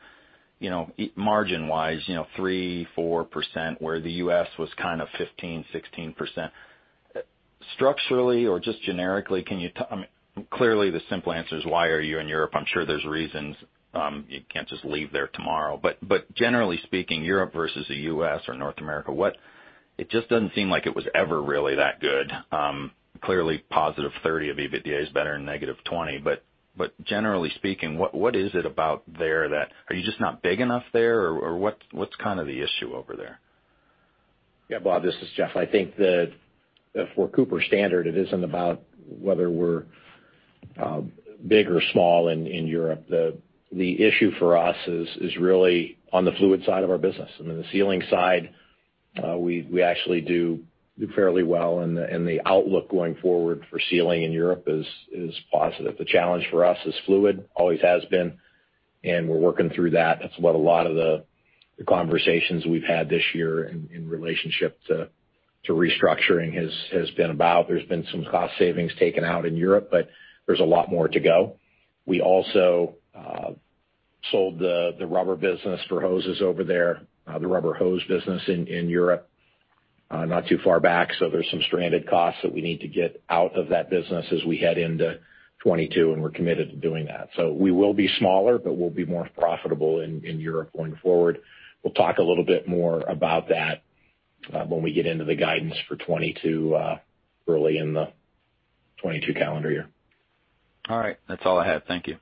you know, margin-wise, you know, 3%-4%, where the U.S. was kind of 15%-16%. Structurally or just generically, can you tell? I mean, clearly, the simple answer is why are you in Europe? I'm sure there's reasons. You can't just leave there tomorrow. Generally speaking, Europe versus the U.S. or North America, what. It just doesn't seem like it was ever really that good. Clearly, positive 30 of EBITDA is better than -20. Generally speaking, what is it about there that. Are you just not big enough there, or what's kind of the issue over there?
Yeah. Bob, this is Jeff. I think that for Cooper Standard, it isn't about whether we're big or small in Europe. The issue for us is really on the fluid side of our business. I mean, the sealing side, we actually do fairly well, and the outlook going forward for sealing in Europe is positive. The challenge for us is fluid, always has been, and we're working through that. That's what a lot of the conversations we've had this year in relationship to restructuring has been about. There's been some cost savings taken out in Europe, but there's a lot more to go. We also sold the rubber business for hoses over there, the rubber hose business in Europe, not too far back. There's some stranded costs that we need to get out of that business as we head into 2022, and we're committed to doing that. We will be smaller, but we'll be more profitable in Europe going forward. We'll talk a little bit more about that when we get into the guidance for 2022 early in the 2022 calendar year.
All right. That's all I have. Thank you.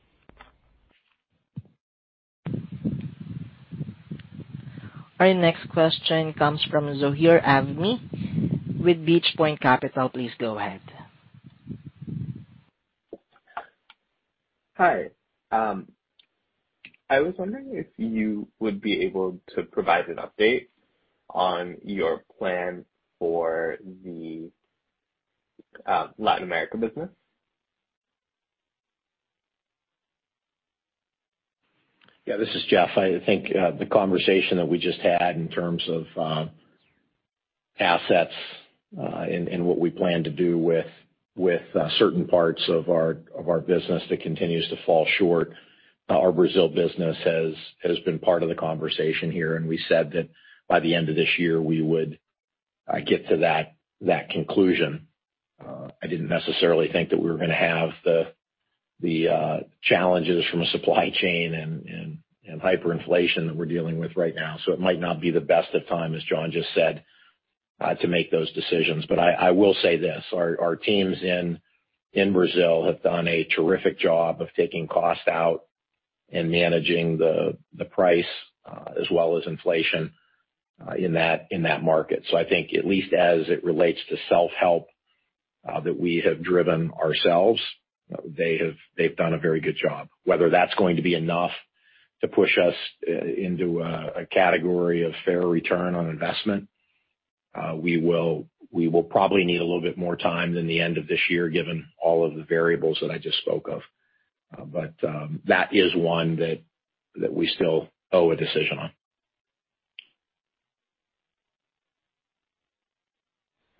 Our next question comes from Patrick Sheffield with Beach Point Capital. Please go ahead.
Hi. I was wondering if you would be able to provide an update on your plan for the Latin America business?
Yeah, this is Jeff. I think the conversation that we just had in terms of assets and what we plan to do with certain parts of our business that continues to fall short. Our Brazil business has been part of the conversation here, and we said that by the end of this year we would get to that conclusion. I didn't necessarily think that we were gonna have the challenges from a supply chain and hyperinflation that we're dealing with right now, so it might not be the best time, as John just said, to make those decisions. I will say this, our teams in Brazil have done a terrific job of taking costs out and managing the price as well as inflation in that market. I think at least as it relates to self-help, that we have driven ourselves, they've done a very good job. Whether that's going to be enough to push us into a category of fair return on investment, we will probably need a little bit more time than the end of this year, given all of the variables that I just spoke of. That is one that we still owe a decision on.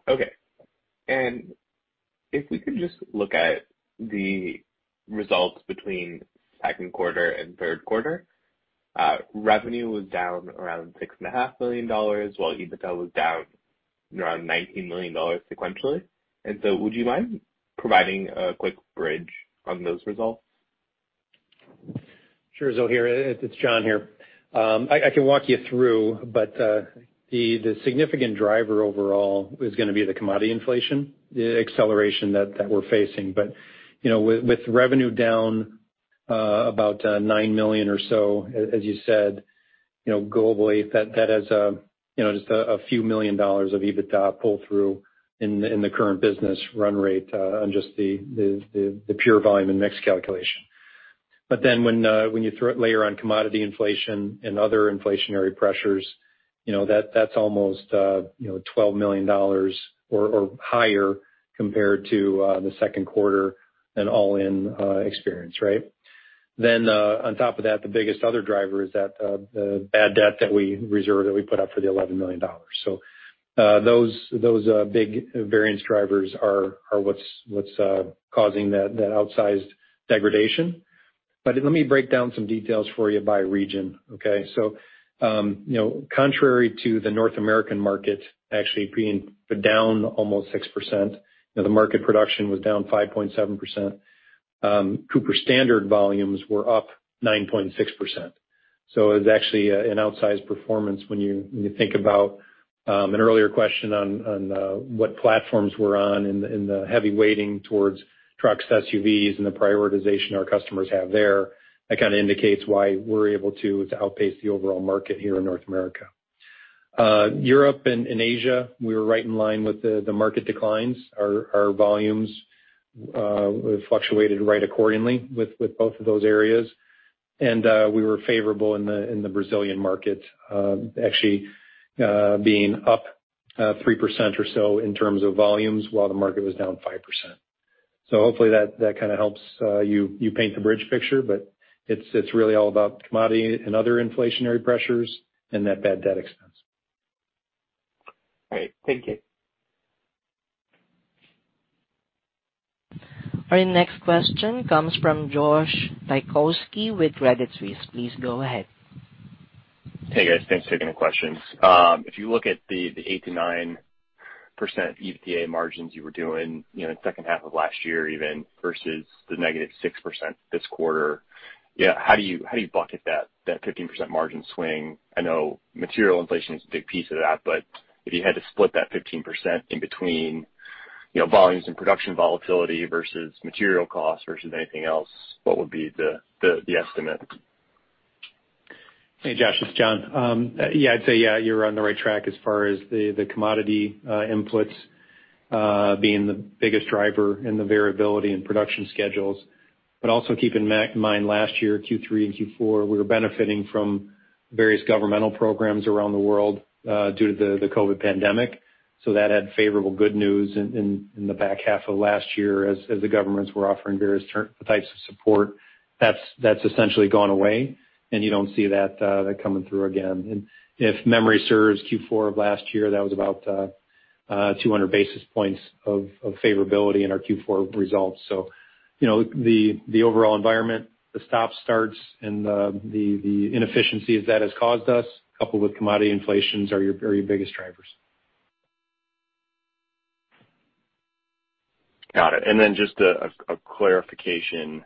Okay. If we could just look at the results between second quarter and third quarter, revenue was down around $6.5 million while EBITDA was down around $19 million sequentially. Would you mind providing a quick bridge on those results?
It's John Banas here. I can walk you through, but the significant driver overall is gonna be the commodity inflation, the acceleration that we're facing. You know, with revenue down about $9 million or so, as you said, you know, globally that has you know, just a few million dollars of EBITDA pull through in the current business run rate, on just the pure volume and mix calculation. Then when you throw a layer on commodity inflation and other inflationary pressures, you know, that's almost you know, $12 million or higher compared to the second quarter and all-in experience, right? On top of that, the biggest other driver is that the bad debt that we reserved that we put up for the $11 million. Those big variance drivers are what's causing that outsized degradation. Let me break down some details for you by region, okay? You know, contrary to the North American market actually being down almost 6%, you know, the market production was down 5.7%. Cooper Standard volumes were up 9.6%. So it was actually an outsized performance when you think about an earlier question on what platforms we're on and the heavy weighting towards trucks, SUVs, and the prioritization our customers have there. That kinda indicates why we're able to outpace the overall market here in North America. Europe and Asia, we were right in line with the market declines. Our volumes fluctuated right accordingly with both of those areas. We were favorable in the Brazilian market, actually, being up 3% or so in terms of volumes while the market was down 5%. Hopefully that kinda helps you paint the big picture, but it's really all about commodity and other inflationary pressures and that bad debt expense.
Great. Thank you.
Our next question comes from Josh Taykowski with Credit Suisse. Please go ahead.
Hey, guys. Thanks for taking the questions. If you look at the 8%-9% EBITDA margins you were doing, you know, in the second half of last year even, versus the -6% this quarter, yeah, how do you bucket that 15% margin swing? I know material inflation is a big piece of that, but if you had to split that 15% in between, you know, volumes and production volatility versus material costs versus anything else, what would be the estimate?
Hey, Josh, it's John. Yeah, I'd say you're on the right track as far as the commodity inputs being the biggest driver in the variability in production schedules. Also keep in mind last year, Q3 and Q4, we were benefiting from various governmental programs around the world due to the COVID pandemic. That had favorable good news in the back half of last year as the governments were offering various types of support. That's essentially gone away and you don't see that coming through again. If memory serves, Q4 of last year, that was about 200 basis points of favorability in our Q4 results. You know, the overall environment, the stop-starts and the inefficiencies that has caused us, coupled with commodity inflations, are your biggest drivers.
Got it. Just a clarification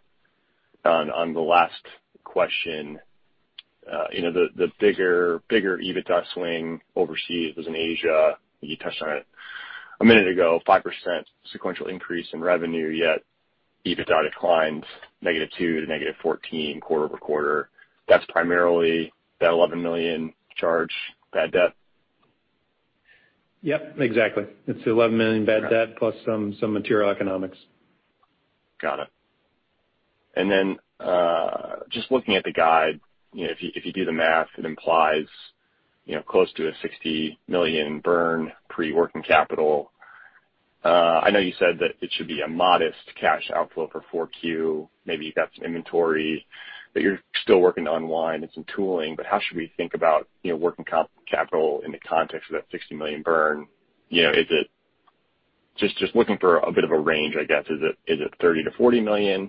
on the last question. You know, the bigger EBITDA swing overseas was in Asia. You touched on it a minute ago, 5% sequential increase in revenue, yet EBITDA declines -2% to -14% quarter-over-quarter. That's primarily that $11 million bad debt charge?
Yep, exactly. It's $11 million bad debt plus some material economics.
Got it. Just looking at the guide, you know, if you do the math, it implies, you know, close to $60 million burn pre-working capital. I know you said that it should be a modest cash outflow for 4Q. Maybe you've got some inventory that you're still working to unwind and some tooling, but how should we think about, you know, working capital in the context of that $60 million burn? You know, just looking for a bit of a range, I guess. Is it $30 million-$40 million?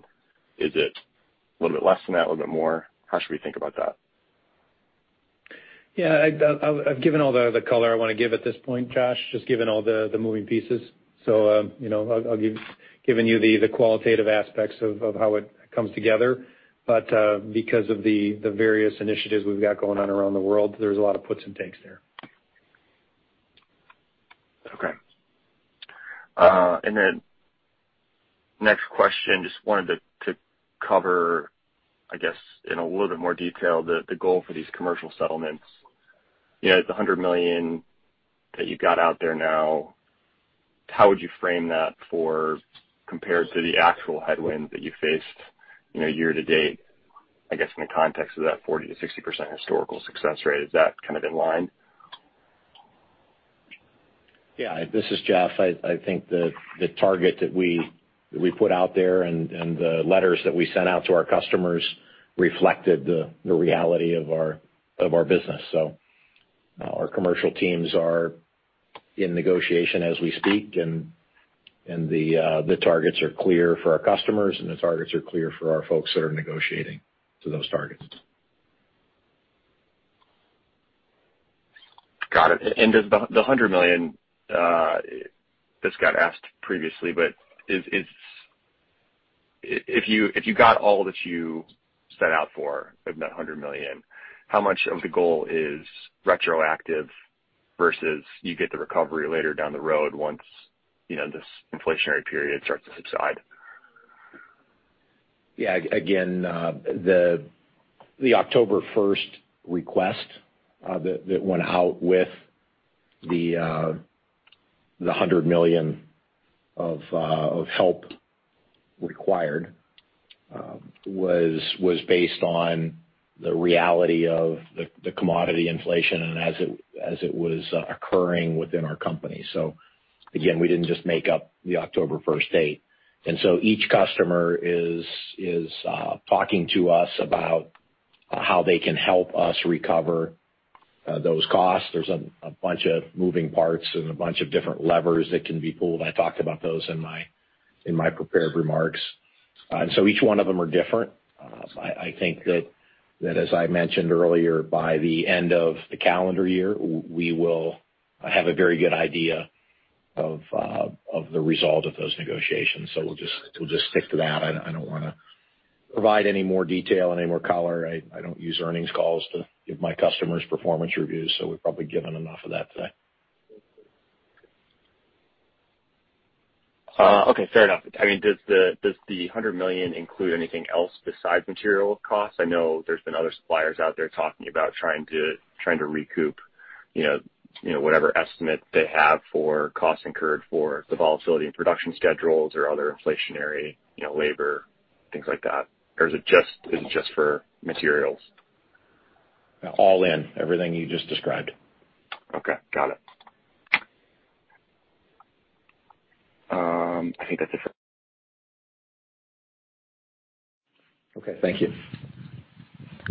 Is it a little bit less than that, a little bit more? How should we think about that?
Yeah, I've given all the color I wanna give at this point, Josh, just given all the moving pieces. You know, I'll give you the qualitative aspects of how it comes together. Because of the various initiatives we've got going on around the world, there's a lot of puts and takes there.
Okay. Next question, just wanted to cover, I guess, in a little bit more detail the goal for these commercial settlements. You know, the $100 million that you got out there now, how would you frame that as compared to the actual headwind that you faced, you know, year to date, I guess, in the context of that 40%-60% historical success rate? Is that kind of in line?
Yeah. This is Jeff. I think the target that we put out there and the letters that we sent out to our customers reflected the reality of our business. Our commercial teams are in negotiation as we speak, and the targets are clear for our customers, and the targets are clear for our folks that are negotiating to those targets.
Got it. Does the $100 million, this got asked previously, but is if you got all that you set out for of that $100 million, how much of the goal is retroactive versus you get the recovery later down the road once, you know, this inflationary period starts to subside?
Yeah. Again, the October first request that went out with the $100 million of help required was based on the reality of the commodity inflation and as it was occurring within our company. Again, we didn't just make up the October first date. Each customer is talking to us about how they can help us recover those costs. There's a bunch of moving parts and a bunch of different levers that can be pulled. I talked about those in my prepared remarks. Each one of them are different. I think that as I mentioned earlier, by the end of the calendar year, we will have a very good idea of the result of those negotiations. We'll just stick to that. I don't wanna provide any more detail, any more color. I don't use earnings calls to give my customers performance reviews, so we've probably given enough of that today.
Okay, fair enough. I mean, does the $100 million include anything else besides material costs? I know there's been other suppliers out there talking about trying to recoup, you know, whatever estimate they have for costs incurred for the volatility in production schedules or other inflationary, you know, labor, things like that. Or is it just for materials?
All in. Everything you just described.
Okay. Got it. I think that's it.
Okay. Thank you.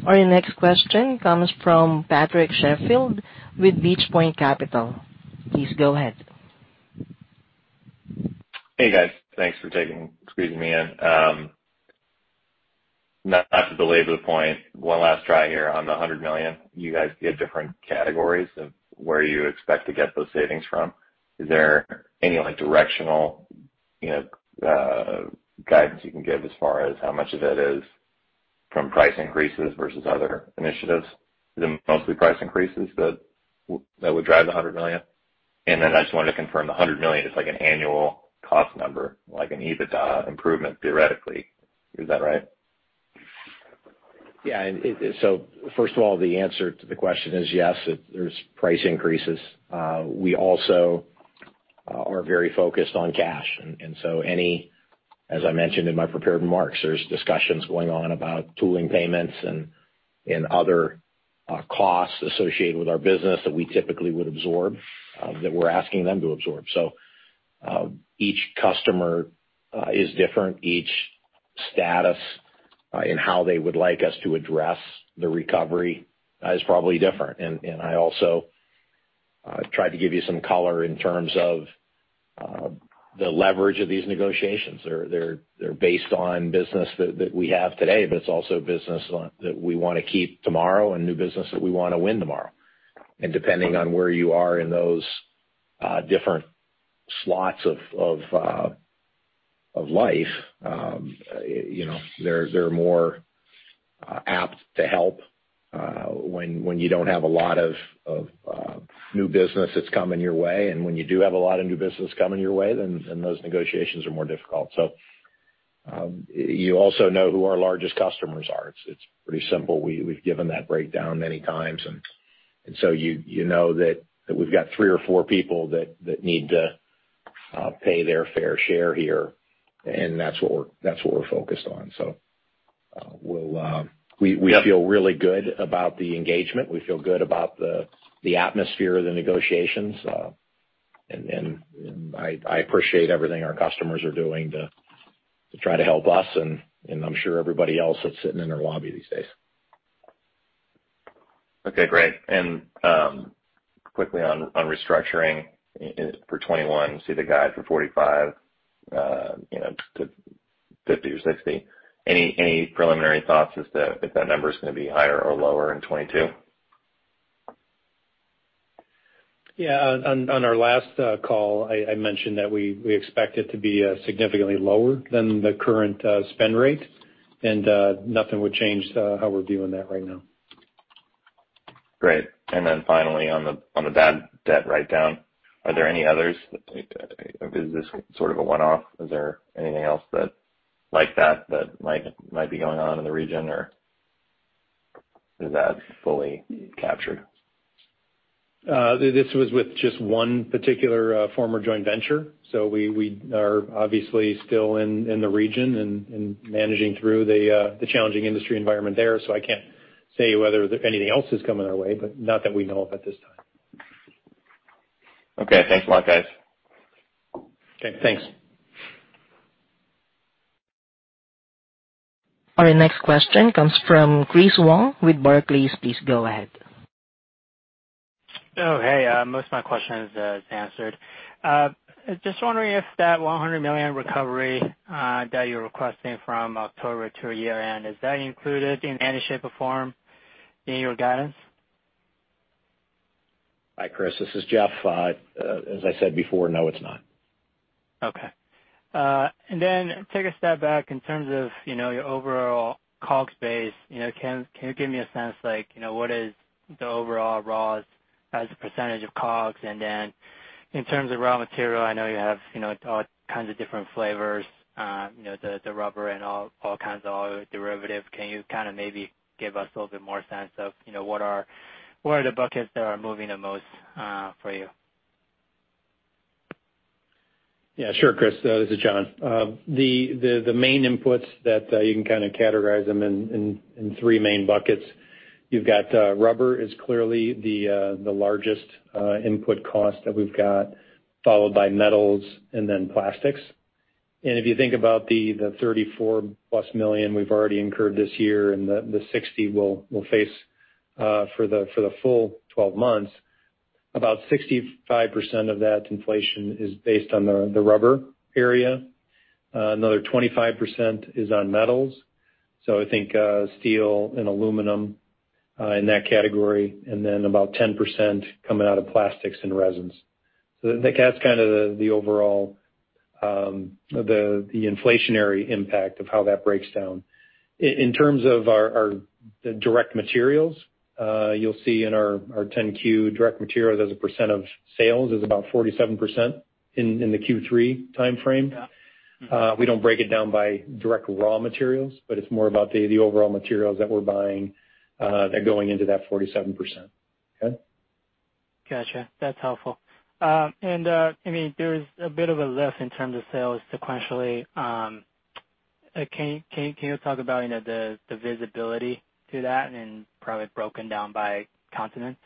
Our next question comes from Patrick Sheffield with Beach Point Capital. Please go ahead.
Hey, guys. Thanks for squeezing me in. Not to belabor the point, one last try here on the $100 million. You guys give different categories of where you expect to get those savings from. Is there any, like, directional, you know, guidance you can give as far as how much of it is from price increases versus other initiatives? Is it mostly price increases that would drive the $100 million? I just wanted to confirm, the $100 million is like an annual cost number, like an EBITDA improvement theoretically. Is that right?
First of all, the answer to the question is yes, there's price increases. We also are very focused on cash. As I mentioned in my prepared remarks, there's discussions going on about tooling payments and other costs associated with our business that we typically would absorb that we're asking them to absorb. Each customer is different. Each status in how they would like us to address the recovery is probably different. I also tried to give you some color in terms of the leverage of these negotiations. They're based on business that we have today, but it's also business that we wanna keep tomorrow and new business that we wanna win tomorrow. Depending on where you are in those different slots of life, you know, they're more apt to help when you don't have a lot of new business that's coming your way and when you do have a lot of new business coming your way, then those negotiations are more difficult. You also know who our largest customers are. It's pretty simple. We've given that breakdown many times. You know that we've got three or four people that need to pay their fair share here, and that's what we're focused on. We feel really good about the engagement. We feel good about the atmosphere of the negotiations. I appreciate everything our customers are doing to try to help us, and I'm sure everybody else that's sitting in their lobby these days.
Okay, great. Quickly on restructuring for 2021, see the guide for $45-$50 or $60. Any preliminary thoughts as to if that number's gonna be higher or lower in 2022?
Yeah, on our last call, I mentioned that we expect it to be significantly lower than the current spend rate. Nothing would change how we're viewing that right now.
Great. Finally, on the bad debt writedown, are there any others? Is this sort of a one-off? Is there anything else like that that might be going on in the region? Or is that fully captured?
This was with just one particular former joint venture. We are obviously still in the region and managing through the challenging industry environment there, so I can't say whether anything else is coming our way, but not that we know of at this time.
Okay, thanks a lot, guys.
Okay, thanks.
Our next question comes from Chris Wong with Barclays. Please go ahead.
Most of my question is answered. Just wondering if that $100 million recovery that you're requesting from October to year-end is that included in any shape or form in your guidance?
Hi, Chris. This is Jeff. As I said before, no, it's not.
Okay. Take a step back in terms of, you know, your overall COGS base. You know, can you give me a sense like, you know, what is the overall raws as a percentage of COGS? In terms of raw material, I know you have, you know, all kinds of different flavors, you know, the rubber and all kinds of oil derivative. Can you kind of maybe give us a little bit more sense of, you know, what are the buckets that are moving the most, for you?
Yeah, sure, Chris. This is John. The main inputs that you can kind of categorize them in three main buckets. You've got rubber is clearly the largest input cost that we've got, followed by metals and then plastics. If you think about the $34+ million we've already incurred this year and the $60 million we'll face for the full twelve months, about 65% of that inflation is based on the rubber area. Another 25% is on metals, so I think steel and aluminum in that category, and then about 10% coming out of plastics and resins. I think that's kind of the overall inflationary impact of how that breaks down. In terms of our the direct materials, you'll see in our 10-Q direct materials, as a percent of sales is about 47% in the Q3 timeframe.
Got it. Mm-hmm.
We don't break it down by direct raw materials, but it's more about the overall materials that we're buying, that are going into that 47%. Okay?
Gotcha. That's helpful. I mean, there's a bit of a lift in terms of sales sequentially. Can you talk about, you know, the visibility to that and probably broken down by continent?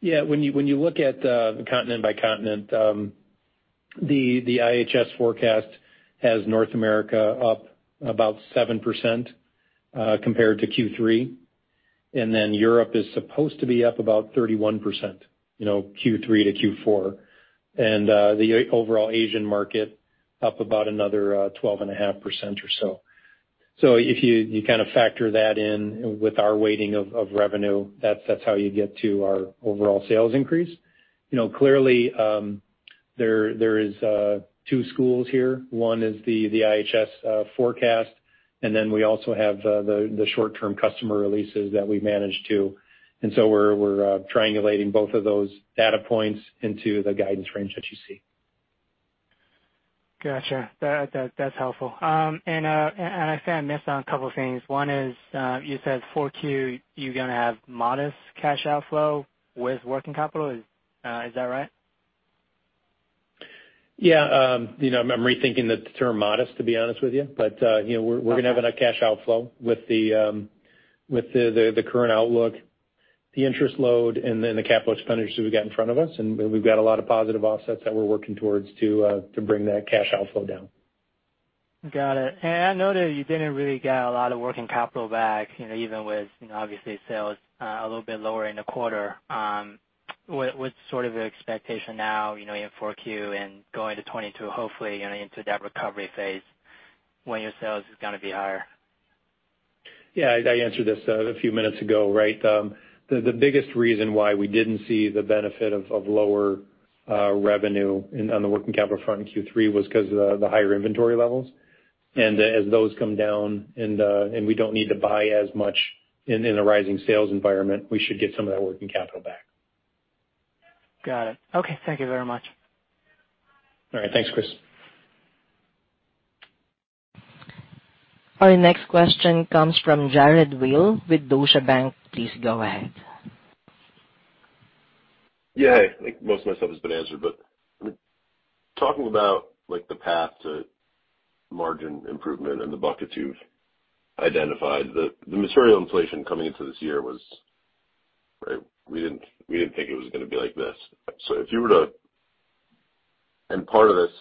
Yeah. When you look at continent by continent, the IHS forecast has North America up about 7%, compared to Q3. Europe is supposed to be up about 31%, you know, Q3-Q4. The overall Asian market up about another 12.5% or so. If you kind of factor that in with our weighting of revenue, that's how you get to our overall sales increase. You know, clearly, there is two schools here. One is the IHS forecast, and then we also have the short-term customer releases that we manage to. We're triangulating both of those data points into the guidance range that you see.
Gotcha. That's helpful. I think I missed on a couple of things. One is, you said 4Q, you're gonna have modest cash outflow with working capital. Is that right?
Yeah. You know, I'm rethinking the term modest, to be honest with you. You know, we're gonna have a cash outflow with the current outlook, the interest load, and then the capital expenditures that we've got in front of us, and we've got a lot of positive offsets that we're working towards to bring that cash outflow down.
Got it. I know that you didn't really get a lot of working capital back, you know, even with, you know, obviously sales a little bit lower in the quarter. What's sort of your expectation now, you know, in 4Q and going to 2022, hopefully, you know, into that recovery phase when your sales is gonna be higher?
Yeah. I answered this a few minutes ago, right? The biggest reason why we didn't see the benefit of lower revenue on the working capital front in Q3 was 'cause of the higher inventory levels. As those come down and we don't need to buy as much in a rising sales environment, we should get some of that working capital back.
Got it. Okay. Thank you very much.
All right. Thanks, Chris.
Our next question comes from Jared Weil with Deutsche Bank. Please go ahead.
Yeah. I think most of my stuff has been answered, but talking about like the path to margin improvement and the buckets you've identified, the material inflation coming into this year was. Right? We didn't think it was gonna be like this. And part of this,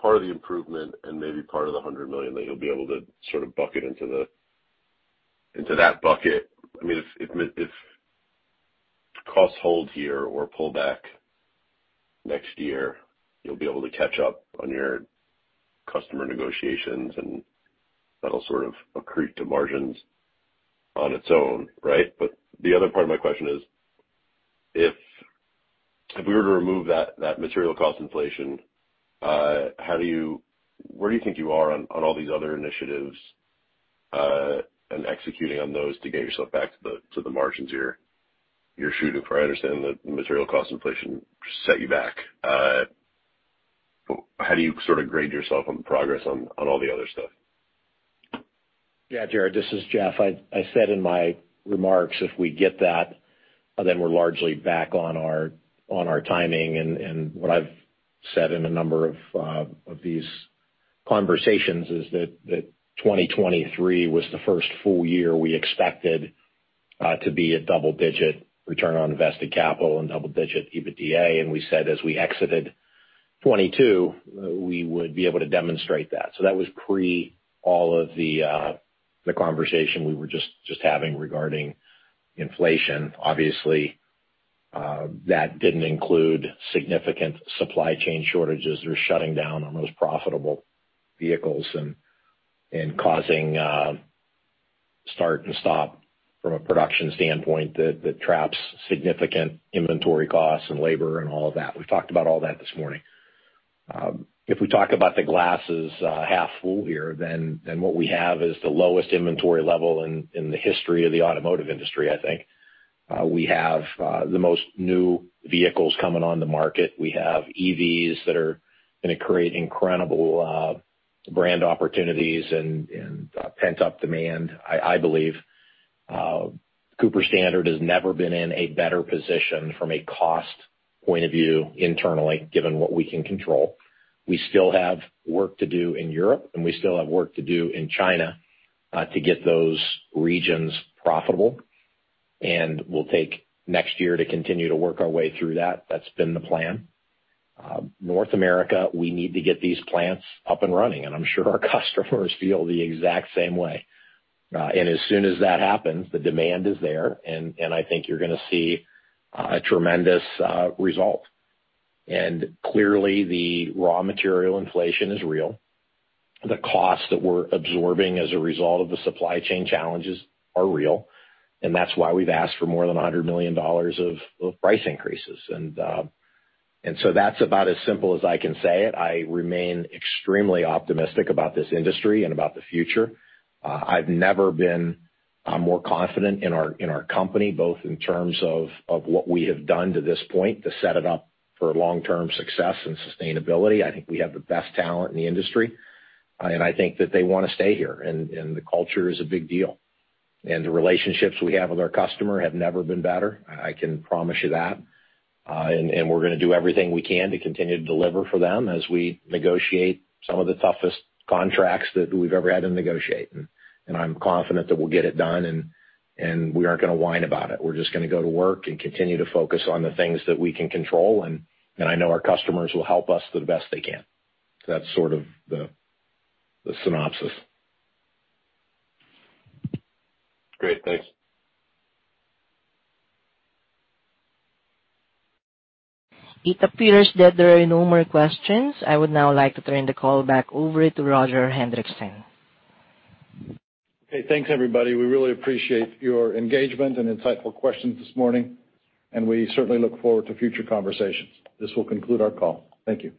part of the improvement and maybe part of the $100 million that you'll be able to sort of bucket into that bucket, I mean, if costs hold here or pull back next year, you'll be able to catch up on your customer negotiations, and that'll sort of accrue to margins on its own, right? The other part of my question is, if we were to remove that material cost inflation, where do you think you are on all these other initiatives and executing on those to get yourself back to the margins you're shooting for? I understand that the material cost inflation set you back. How do you sort of grade yourself on progress on all the other stuff?
Yeah, Jared, this is Jeff. I said in my remarks, if we get that, then we're largely back on our timing. What I've said in a number of these conversations is that 2023 was the first full year we expected to be a double digit return on invested capital and double digit EBITDA. We said as we exited 2022, we would be able to demonstrate that. That was pre all of the conversation we were just having regarding inflation. Obviously, that didn't include significant supply chain shortages or shutting down our most profitable vehicles and causing start and stop from a production standpoint that traps significant inventory costs and labor and all of that. We've talked about all that this morning. If we talk about the glass is half full here, then what we have is the lowest inventory level in the history of the automotive industry, I think. We have the most new vehicles coming on the market. We have EVs that are gonna create incredible brand opportunities and pent-up demand. I believe Cooper Standard has never been in a better position from a cost point of view internally, given what we can control. We still have work to do in Europe, and we still have work to do in China to get those regions profitable. We'll take next year to continue to work our way through that. That's been the plan. North America, we need to get these plants up and running, and I'm sure our customers feel the exact same way. As soon as that happens, the demand is there, and I think you're gonna see a tremendous result. Clearly, the raw material inflation is real. The costs that we're absorbing as a result of the supply chain challenges are real. That's why we've asked for more than $100 million of price increases. That's about as simple as I can say it. I remain extremely optimistic about this industry and about the future. I've never been more confident in our company, both in terms of what we have done to this point to set it up for long-term success and sustainability. I think we have the best talent in the industry, and I think that they wanna stay here. The culture is a big deal. The relationships we have with our customer have never been better. I can promise you that. We're gonna do everything we can to continue to deliver for them as we negotiate some of the toughest contracts that we've ever had to negotiate. I'm confident that we'll get it done, and we aren't gonna whine about it. We're just gonna go to work and continue to focus on the things that we can control, and I know our customers will help us the best they can. That's sort of the synopsis.
Great. Thanks.
It appears that there are no more questions. I would now like to turn the call back over to Roger Hendriksen.
Okay, thanks, everybody. We really appreciate your engagement and insightful questions this morning, and we certainly look forward to future conversations. This will conclude our call. Thank you.